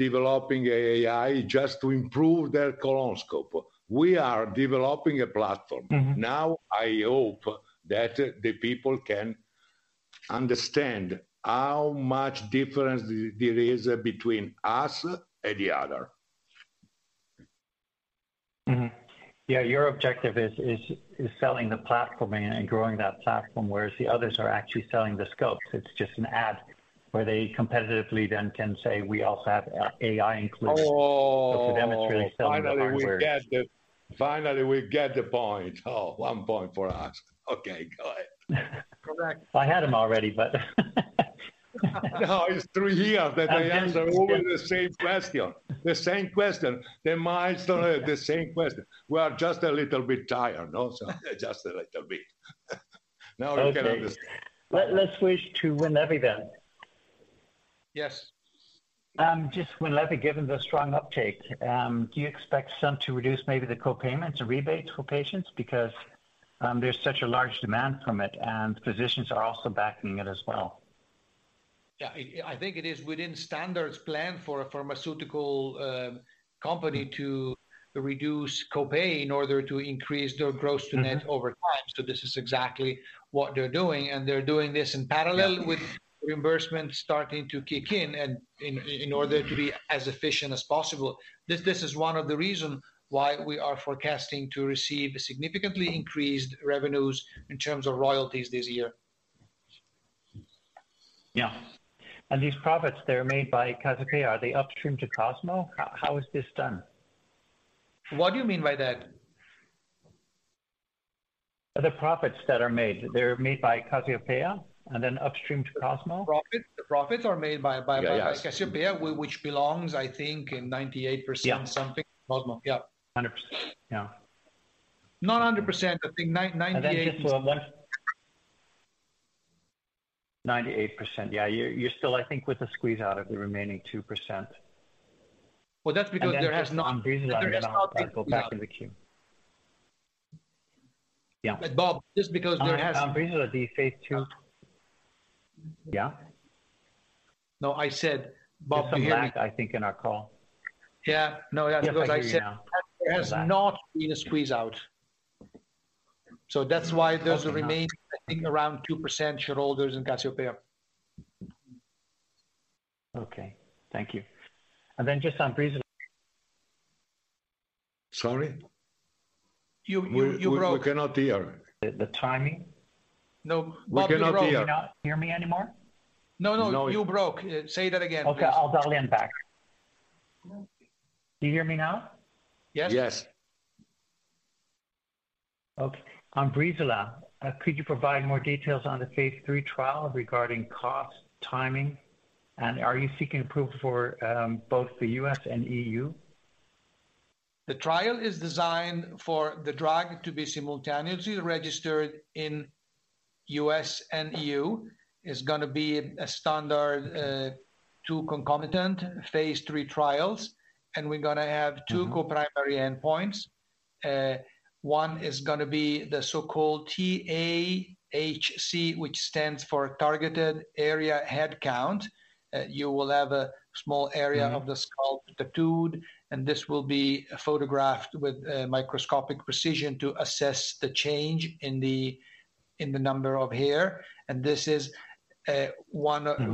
developing AI just to improve their colonoscope. We are developing a platform. Mm-hmm. I hope that the people can understand how much difference there is between us and the other. Mm-hmm. Yeah. Your objective is selling the platform and growing that platform, whereas the others are actually selling the scopes. It's just an ad where they competitively then can say, "We also have AI included. Oh. They're really selling the hardware. Finally, we get the point. Oh, one point for us. Okay, go ahead. Go back. I had them already, but... No, it's three years that they ask always the same question. The same question. Their minds don't have the same question. We are just a little bit tired also. Just a little bit. Now we can. Okay. Let's switch to Winlevi then. Yes. Just Winlevi, given the strong uptake, do you expect some to reduce maybe the co-payments or rebates for patients because, there's such a large demand from it, and physicians are also backing it as well? Yeah. I think it is within standards plan for a pharmaceutical company to reduce co-pay in order to increase their gross to net over time. This is exactly what they're doing, and they're doing this in parallel with reimbursement starting to kick in in order to be as efficient as possible. This is one of the reason why we are forecasting to receive significantly increased revenues in terms of royalties this year. Yeah. These profits that are made by Cassiopea, are they upstream to Cosmo? How is this done? What do you mean by that? The profits that are made, they're made by Cassiopea and then upstream to Cosmo. Profit, the profits are made by Cassiopea. Yes. which belongs, I think, in 98% something. Yeah. Cosmo. Yeah. 100%. Yeah. Not 100%. I think 90, 98- 98%. Yeah. You're still, I think, with a squeeze out of the remaining 2%. Well, that's because there has. Just on Breezula, then I'll go back in the queue. There is not a squeeze out. Yeah. Bob, just because there. On Breezula, the phase II... Yeah? No, I said, Bob, can you hear me? Get the mic, I think, in our call. Yeah. No, yeah. Yeah. I hear you now. Because I said there has not been a squeeze out. That's why there's a remaining, I think, around 2% shareholders in Cassiopea. Okay. Thank you. Then just on Breezula. Sorry? You broke. We cannot hear. The timing. No. We cannot hear. Bob, you broke. You not hear me anymore? No, no. No. You broke. Say that again, please. Okay. I'll dial in back. Do you hear me now? Yes. Yes. Okay. On Breezula, could you provide more details on the phase III trial regarding cost, timing, and are you seeking approval for both the U.S. and EU? The trial is designed for the drug to be simultaneously registered in U.S and EU. It's gonna be a standard, two concomitant phase III trials, and we're gonna have two co-primary endpoints. One is gonna be the so-called TAHC, which stands for Targeted Area Headcount. You will have a small Mm-hmm ...of the skull tattooed. This will be photographed with microscopic precision to assess the change in the number of hair. Mm-hmm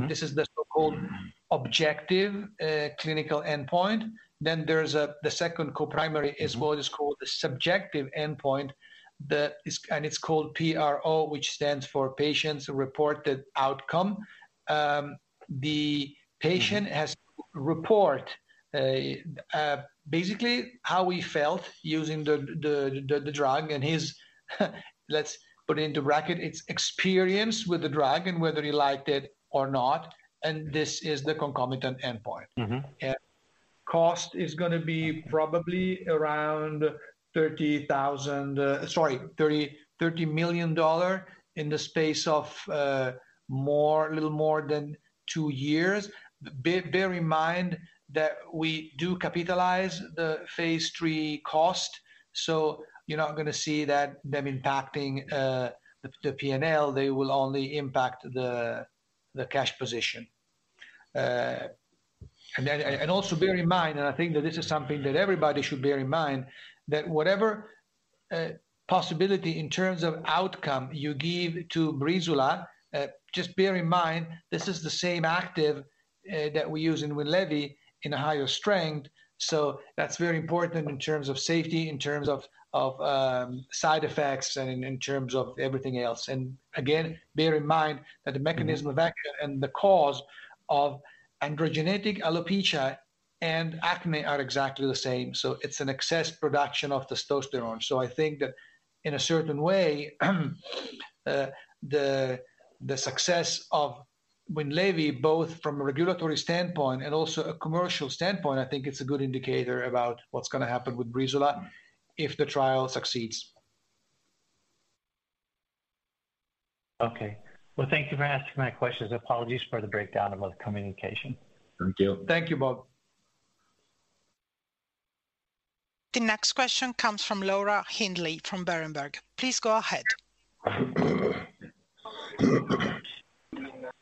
...this is the so-called objective, clinical endpoint. The second co-primary is what is called the subjective endpoint. It's called PRO, which stands for Patient-Reported Outcome. Mm-hmm ...has to report, basically how he felt using the drug and his, let's put it into bracket, its experience with the drug and whether he liked it or not. This is the concomitant endpoint. Mm-hmm. cost is gonna be probably around $30,000, sorry, $30 million in the space of a little more than two years. Bear in mind that we do capitalize the phase III cost, you're not gonna see that them impacting the P&L. They will only impact the cash position. Also bear in mind, and I think that this is something that everybody should bear in mind, that whatever possibility in terms of outcome you give to Breezula, just bear in mind, this is the same active that we use in Winlevi in a higher strength. That's very important in terms of safety, in terms of side effects and in terms of everything else. Again, bear in mind that the mechanism of action and the cause of androgenetic alopecia and acne are exactly the same. It's an excess production of testosterone. I think that in a certain way, the success of Winlevi, both from a regulatory standpoint and also a commercial standpoint, I think it's a good indicator about what's gonna happen with Breezula if the trial succeeds. Okay. Well, thank you for answering my questions. Apologies for the breakdown about communication. Thank you. Thank you, Bob. The next question comes from Laura Hindley from Berenberg. Please go ahead.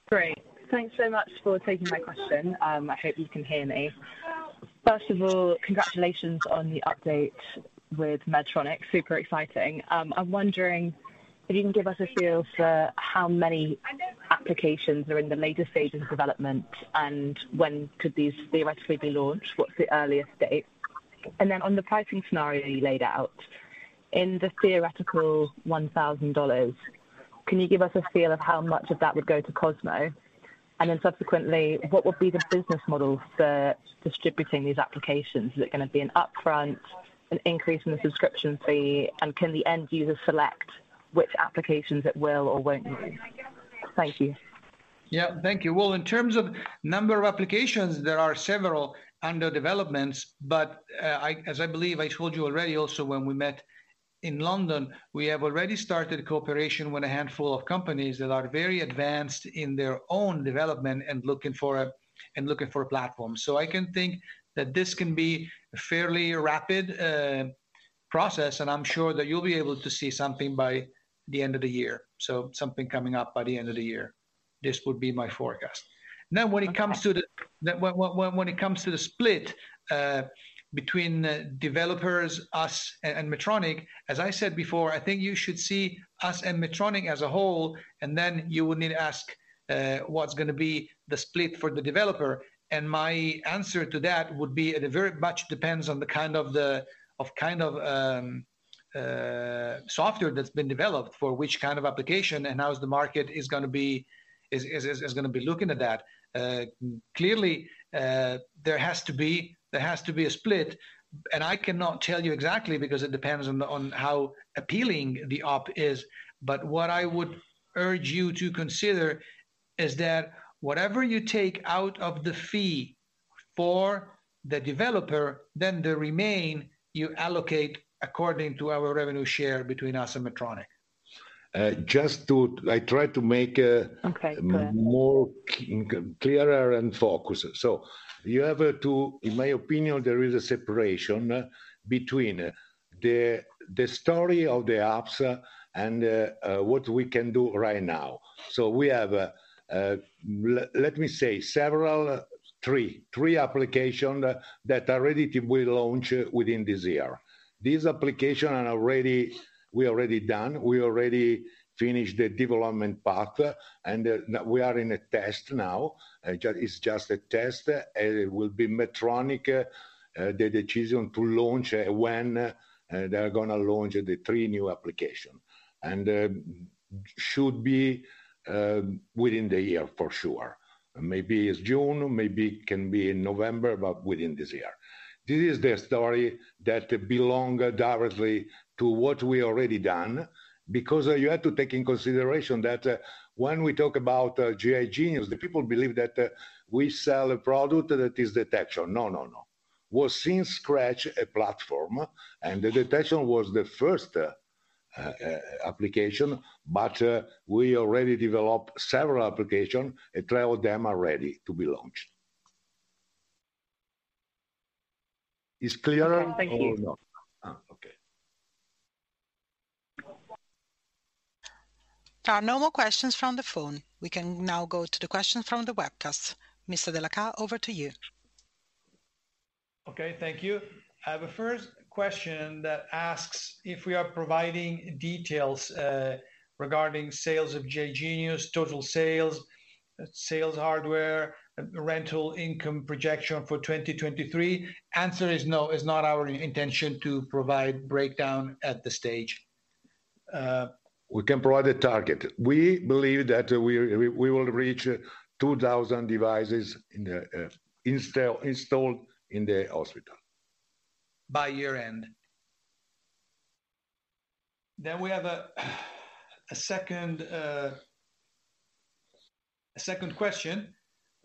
Great. Thanks so much for taking my question. I hope you can hear me. First of all, congratulations on the update with Medtronic. Super exciting. I'm wondering if you can give us a feel for how many applications are in the later stage of development, and when could these theoretically be launched? What's the earliest date? On the pricing scenario you laid out, in the theoretical $1,000, can you give us a feel of how much of that would go to Cosmo? Subsequently, what would be the business model for distributing these applications? Is it gonna be an upfront, an increase in the subscription fee? Can the end user select which applications it will or won't use? Thank you. Yeah. Thank you. Well, in terms of number of applications, there are several under developments. I, as I believe I told you already also when we met in London, we have already started cooperation with a handful of companies that are very advanced in their own development and looking for a platform. I can think that this can be a fairly rapid process, and I'm sure that you'll be able to see something by the end of the year. Something coming up by the end of the year. This would be my forecast. When it comes to the... When it comes to the split between the developers, us and Medtronic, as I said before, I think you should see us and Medtronic as a whole, and then you would need to ask what's gonna be the split for the developer. My answer to that would be it very much depends on the kind of software that's been developed for which kind of application and how the market is gonna be looking at that. Clearly, there has to be a split, and I cannot tell you exactly because it depends on how appealing the app is. What I would urge you to consider is that whatever you take out of the fee for the developer, then the remain you allocate according to our revenue share between us and Medtronic. Uh, just to... I try to make a- Okay. Go ahead ...more clearer and focused. In my opinion, there is a separation between the story of the apps and what we can do right now. We have, let me say several, three application that are ready to be launched within this year. These application are already done. We already finished the development path, and now we are in a test now. Just, it's just a test. It will be Medtronic, the decision to launch, when they're gonna launch the three new application. should be within the year for sure. Maybe it's June, maybe it can be in November, but within this year. This is the story that belong directly to what we already done because you have to take in consideration that, when we talk about GI Genius, the people believe that we sell a product that is detection. No, no. Was since scratch a platform, and the detection was the first application. We already developed several application, and three of them are ready to be launched. Is clear? Thank you. No? Okay. There are no more questions from the phone. We can now go to the questions from the webcast. Mr. Della Cha', over to you. Okay. Thank you. I have a first question that asks if we are providing details regarding sales of GI Genius, total sales hardware, rental income projection for 2023. Answer is no. It's not our intention to provide breakdown at this stage. We can provide a target. We believe that we will reach 2,000 devices in the, installed in the hospital. By year-end. We have a second question,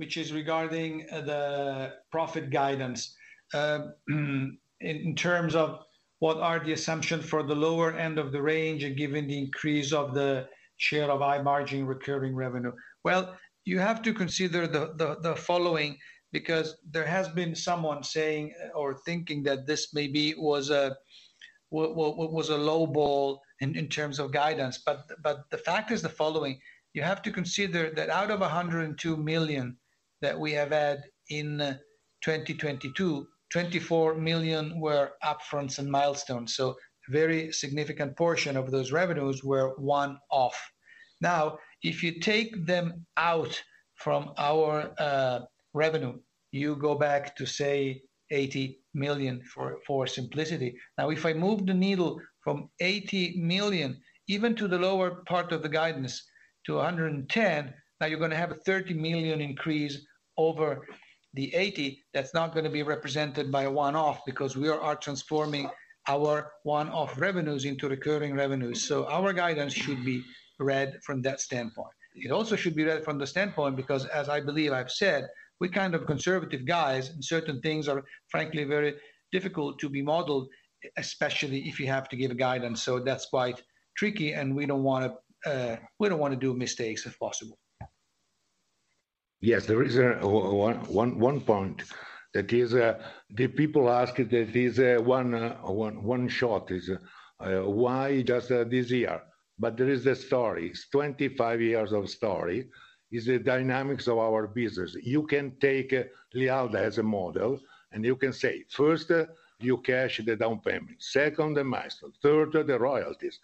which is regarding the profit guidance. In terms of what are the assumptions for the lower end of the range and given the increase of the share of high margin recurring revenue. You have to consider the following because there has been someone saying or thinking that this maybe was a low ball in terms of guidance. The fact is the following: you have to consider that out of 102 million that we have had in 2022, 24 million were upfronts and milestones, so very significant portion of those revenues were one-off. If you take them out from our revenue, you go back to, say, 80 million for simplicity. If I move the needle from 80 million even to the lower part of the guidance to 110 million, now you're gonna have a 30 million increase over the 80 million that's not gonna be represented by a one-off because we are transforming our one-off revenues into recurring revenues. Our guidance should be read from that standpoint. It also should be read from the standpoint because, as I believe I've said, we're kind of conservative guys and certain things are, frankly, very difficult to be modeled, especially if you have to give guidance. That's quite tricky and we don't wanna, we don't wanna do mistakes if possible. Yes. There is one point that is the people ask that is one shot is why just this year? There is a story. It's 25 years of story. It's the dynamics of our business. You can take Lialda as a model, and you can say, first, you cash the down payment, second, the milestone, third, the royalties.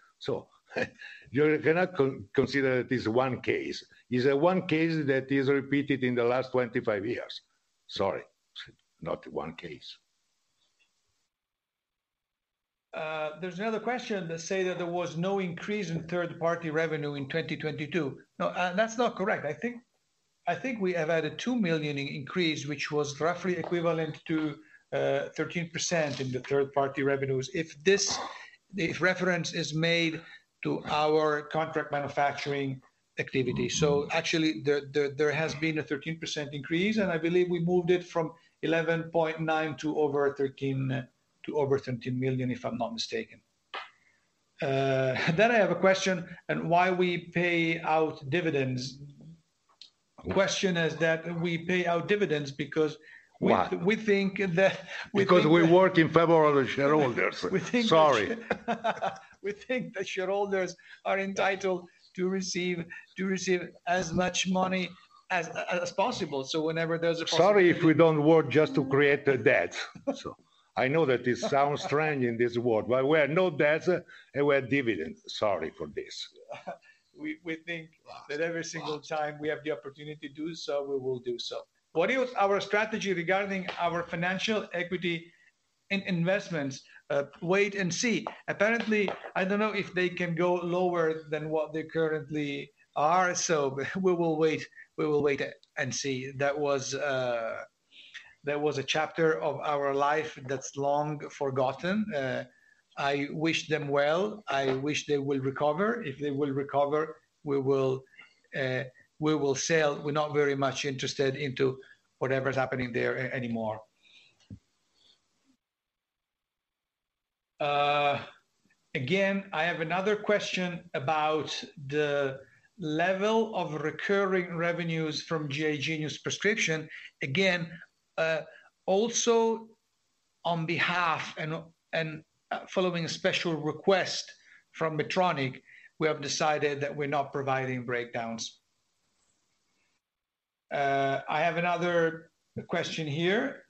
You cannot consider it is one case. It's one case that is repeated in the last 25 years. Sorry, not one case. There's another question that says that there was no increase in third-party revenue in 2022. That's not correct. I think we have had a 2 million increase, which was roughly equivalent to 13% in the third-party revenues, if reference is made to our contract manufacturing activity. Actually, there has been a 13% increase, and I believe we moved it from 11.9 million to over 13 million, if I'm not mistaken. I have a question on why we pay out dividends. Question is that we pay out dividends because- Why? We think that we. We work in favor of the shareholders. We think that. Sorry. We think the shareholders are entitled to receive as much money as possible. whenever there's a possibility. Sorry if we don't work just to create a debt. I know that this sounds strange in this world, but we have no debts, and we have dividends. Sorry for this. We think that every single time we have the opportunity to do so, we will do so. What is our strategy regarding our financial equity in investments? Wait and see. Apparently, I don't know if they can go lower than what they currently are, so we will wait and see. That was a chapter of our life that's long forgotten. I wish them well. I wish they will recover. If they will recover, we will sell. We're not very much interested into whatever is happening there anymore. Again, I have another question about the level of recurring revenues from GI Genius prescription. Again, also on behalf and following a special request from Medtronic, we have decided that we're not providing breakdowns. I have another question here.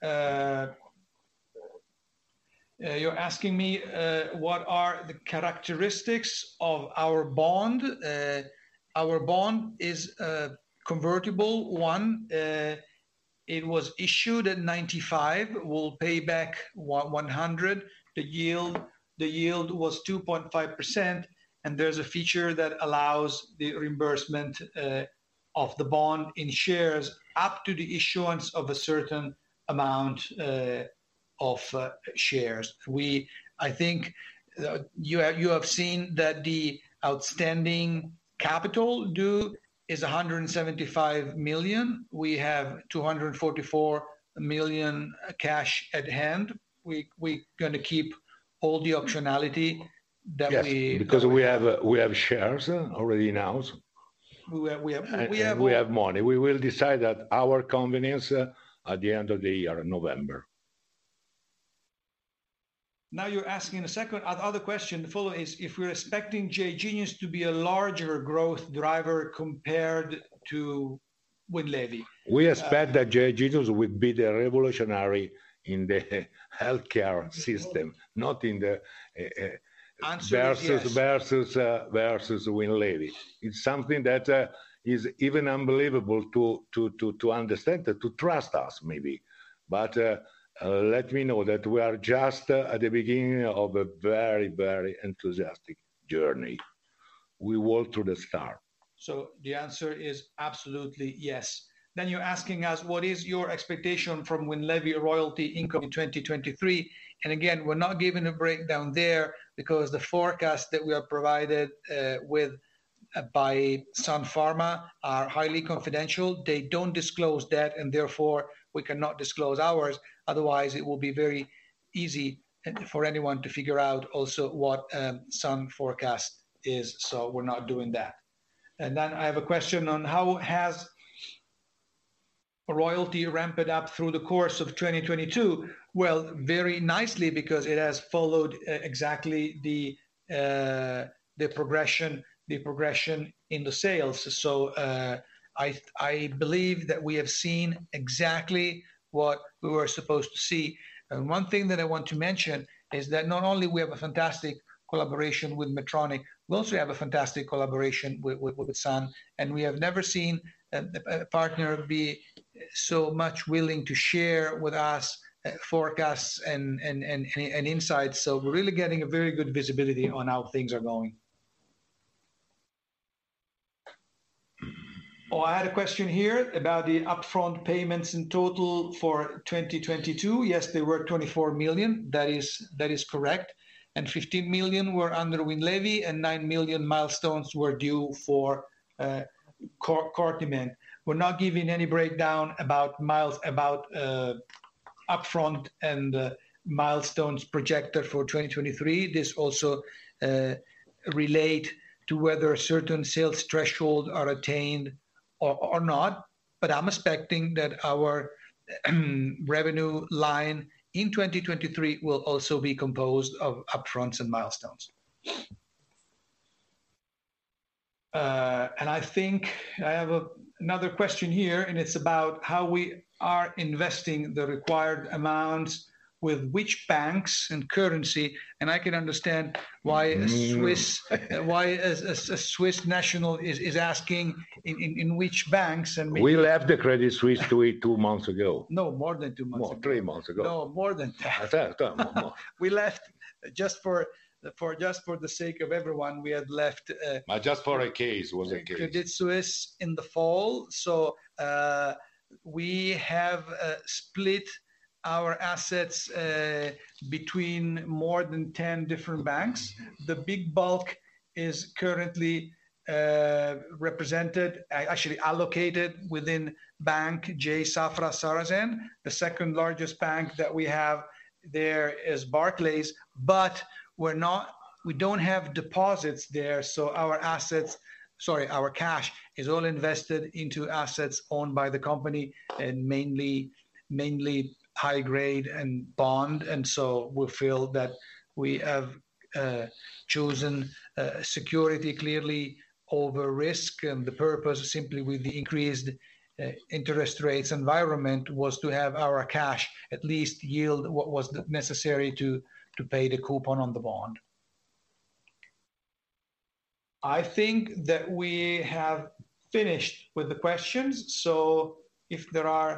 You're asking me what are the characteristics of our bond. Our bond is a convertible one. It was issued at 95. We'll pay back 100. The yield was 2.5%, and there's a feature that allows the reimbursement of the bond in shares up to the issuance of a certain amount of shares. I think you have seen that the outstanding capital due is 175 million. We have 244 million cash at hand. We gonna keep all the optionality that. Yes, because we have shares already announced. We. We have money. We will decide at our convenience at the end of the year in November. The other question to follow is if we're expecting GI Genius to be a larger growth driver compared to Winlevi. We expect that GI Genius will be the revolutionary in the healthcare system, not in the. Answer is yes.... versus Winlevi. It's something that is even unbelievable to understand, to trust us maybe. let me know that we are just at the beginning of a very, very enthusiastic journey. We work to the star. The answer is absolutely yes. You're asking us what is your expectation from Winlevi royalty income in 2023. Again, we're not giving a breakdown there because the forecast that we are provided with by Sun Pharma are highly confidential. They don't disclose that, and therefore we cannot disclose ours, otherwise it will be very easy for anyone to figure out also what Sun forecast is, we're not doing that. I have a question on how has royalty ramped up through the course of 2022. Well, very nicely because it has followed exactly the progression in the sales. I believe that we have seen exactly what we were supposed to see. One thing that I want to mention is that not only we have a fantastic collaboration with Medtronic, we also have a fantastic collaboration with Sun, and we have never seen a partner be so much willing to share with us forecasts and insights. We're really getting a very good visibility on how things are going. I had a question here about the upfront payments in total for 2022. Yes, they were $24 million. That is correct. $15 million were under Winlevi, and $9 million milestones were due for Cortiment®. We're not giving any breakdown about upfront and milestones projected for 2023. This also relate to whether certain sales thresholds are attained or not. I'm expecting that our revenue line in 2023 will also be composed of upfronts and milestones. I think I have another question here, and it's about how we are investing the required amount, with which banks and currency. I can understand why a Swiss national is asking in which banks. We left the Credit Suisse two weeks, two months ago. No, more than two months ago. More, three months ago. No, more than that. We left, just for the sake of everyone, we had left. Just for a case. It was a case Credit Suisse in the fall, we have split our assets between more than 10 different banks. The big bulk is currently actually allocated within Bank J. Safra Sarasin. The second largest bank that we have there is Barclays, but we don't have deposits there, so our assets, sorry, our cash is all invested into assets owned by the company and mainly high grade and bond. We feel that we have chosen security clearly over risk, and the purpose simply with the increased interest rates environment was to have our cash at least yield what was necessary to pay the coupon on the bond. I think that we have finished with the questions. If there are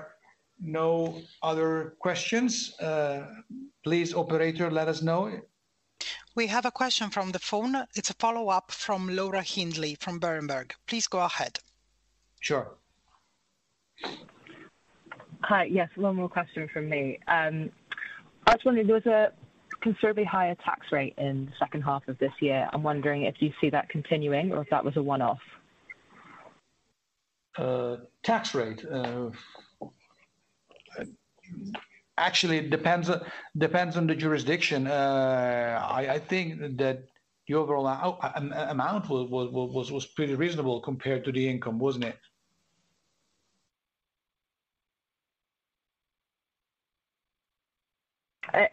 no other questions, please, operator, let us know. We have a question from the phone. It's a follow-up from Laura Hindley from Berenberg. Please go ahead. Sure. Hi. Yes, one more question from me. I was wondering, there was a considerably higher tax rate in the second half of this year. I'm wondering if you see that continuing or if that was a one-off. Tax rate, actually it depends on the jurisdiction. I think that the overall amount was pretty reasonable compared to the income, wasn't it?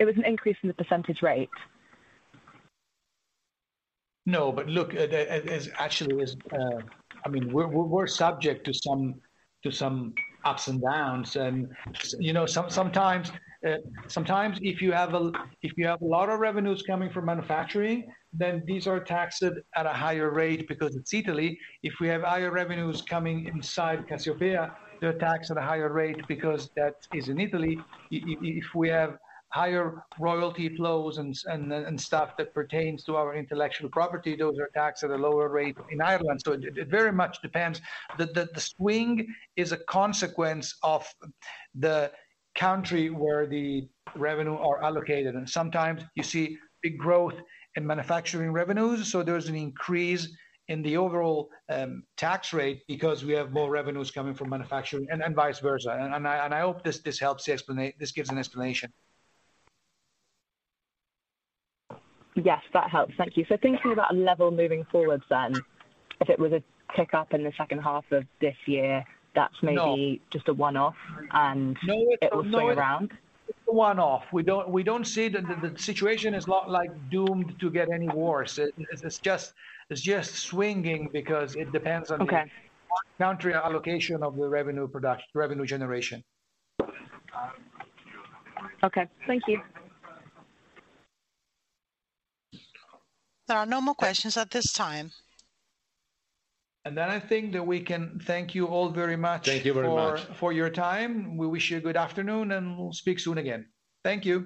It was an increase in the percentage rate. Look, it's actually was, I mean, we're subject to some, to some ups and downs and, you know, sometimes if you have a, if you have a lot of revenues coming from manufacturing, then these are taxed at a higher rate because it's Italy. If we have higher revenues coming inside Cassiopea, they're taxed at a higher rate because that is in Italy. If we have higher royalty flows and stuff that pertains to our intellectual property, those are taxed at a lower rate in Ireland. It very much depends. The swing is a consequence of the country where the revenue are allocated. Sometimes you see big growth in manufacturing revenues, so there's an increase in the overall tax rate because we have more revenues coming from manufacturing and vice versa. I hope this helps explain. This gives an explanation. Yes, that helps. Thank you. Thinking about a level moving forward then, if it was a tick up in the second half of this year, that's. No just a one-off. No. it will swing around? It's a one-off. We don't see the situation is not like doomed to get any worse. It's just swinging because it depends on. Okay... country allocation of the revenue generation. Okay. Thank you. There are no more questions at this time. I think that we can thank you all very much. Thank you very much.... for your time. We wish you a good afternoon, and we'll speak soon again. Thank you.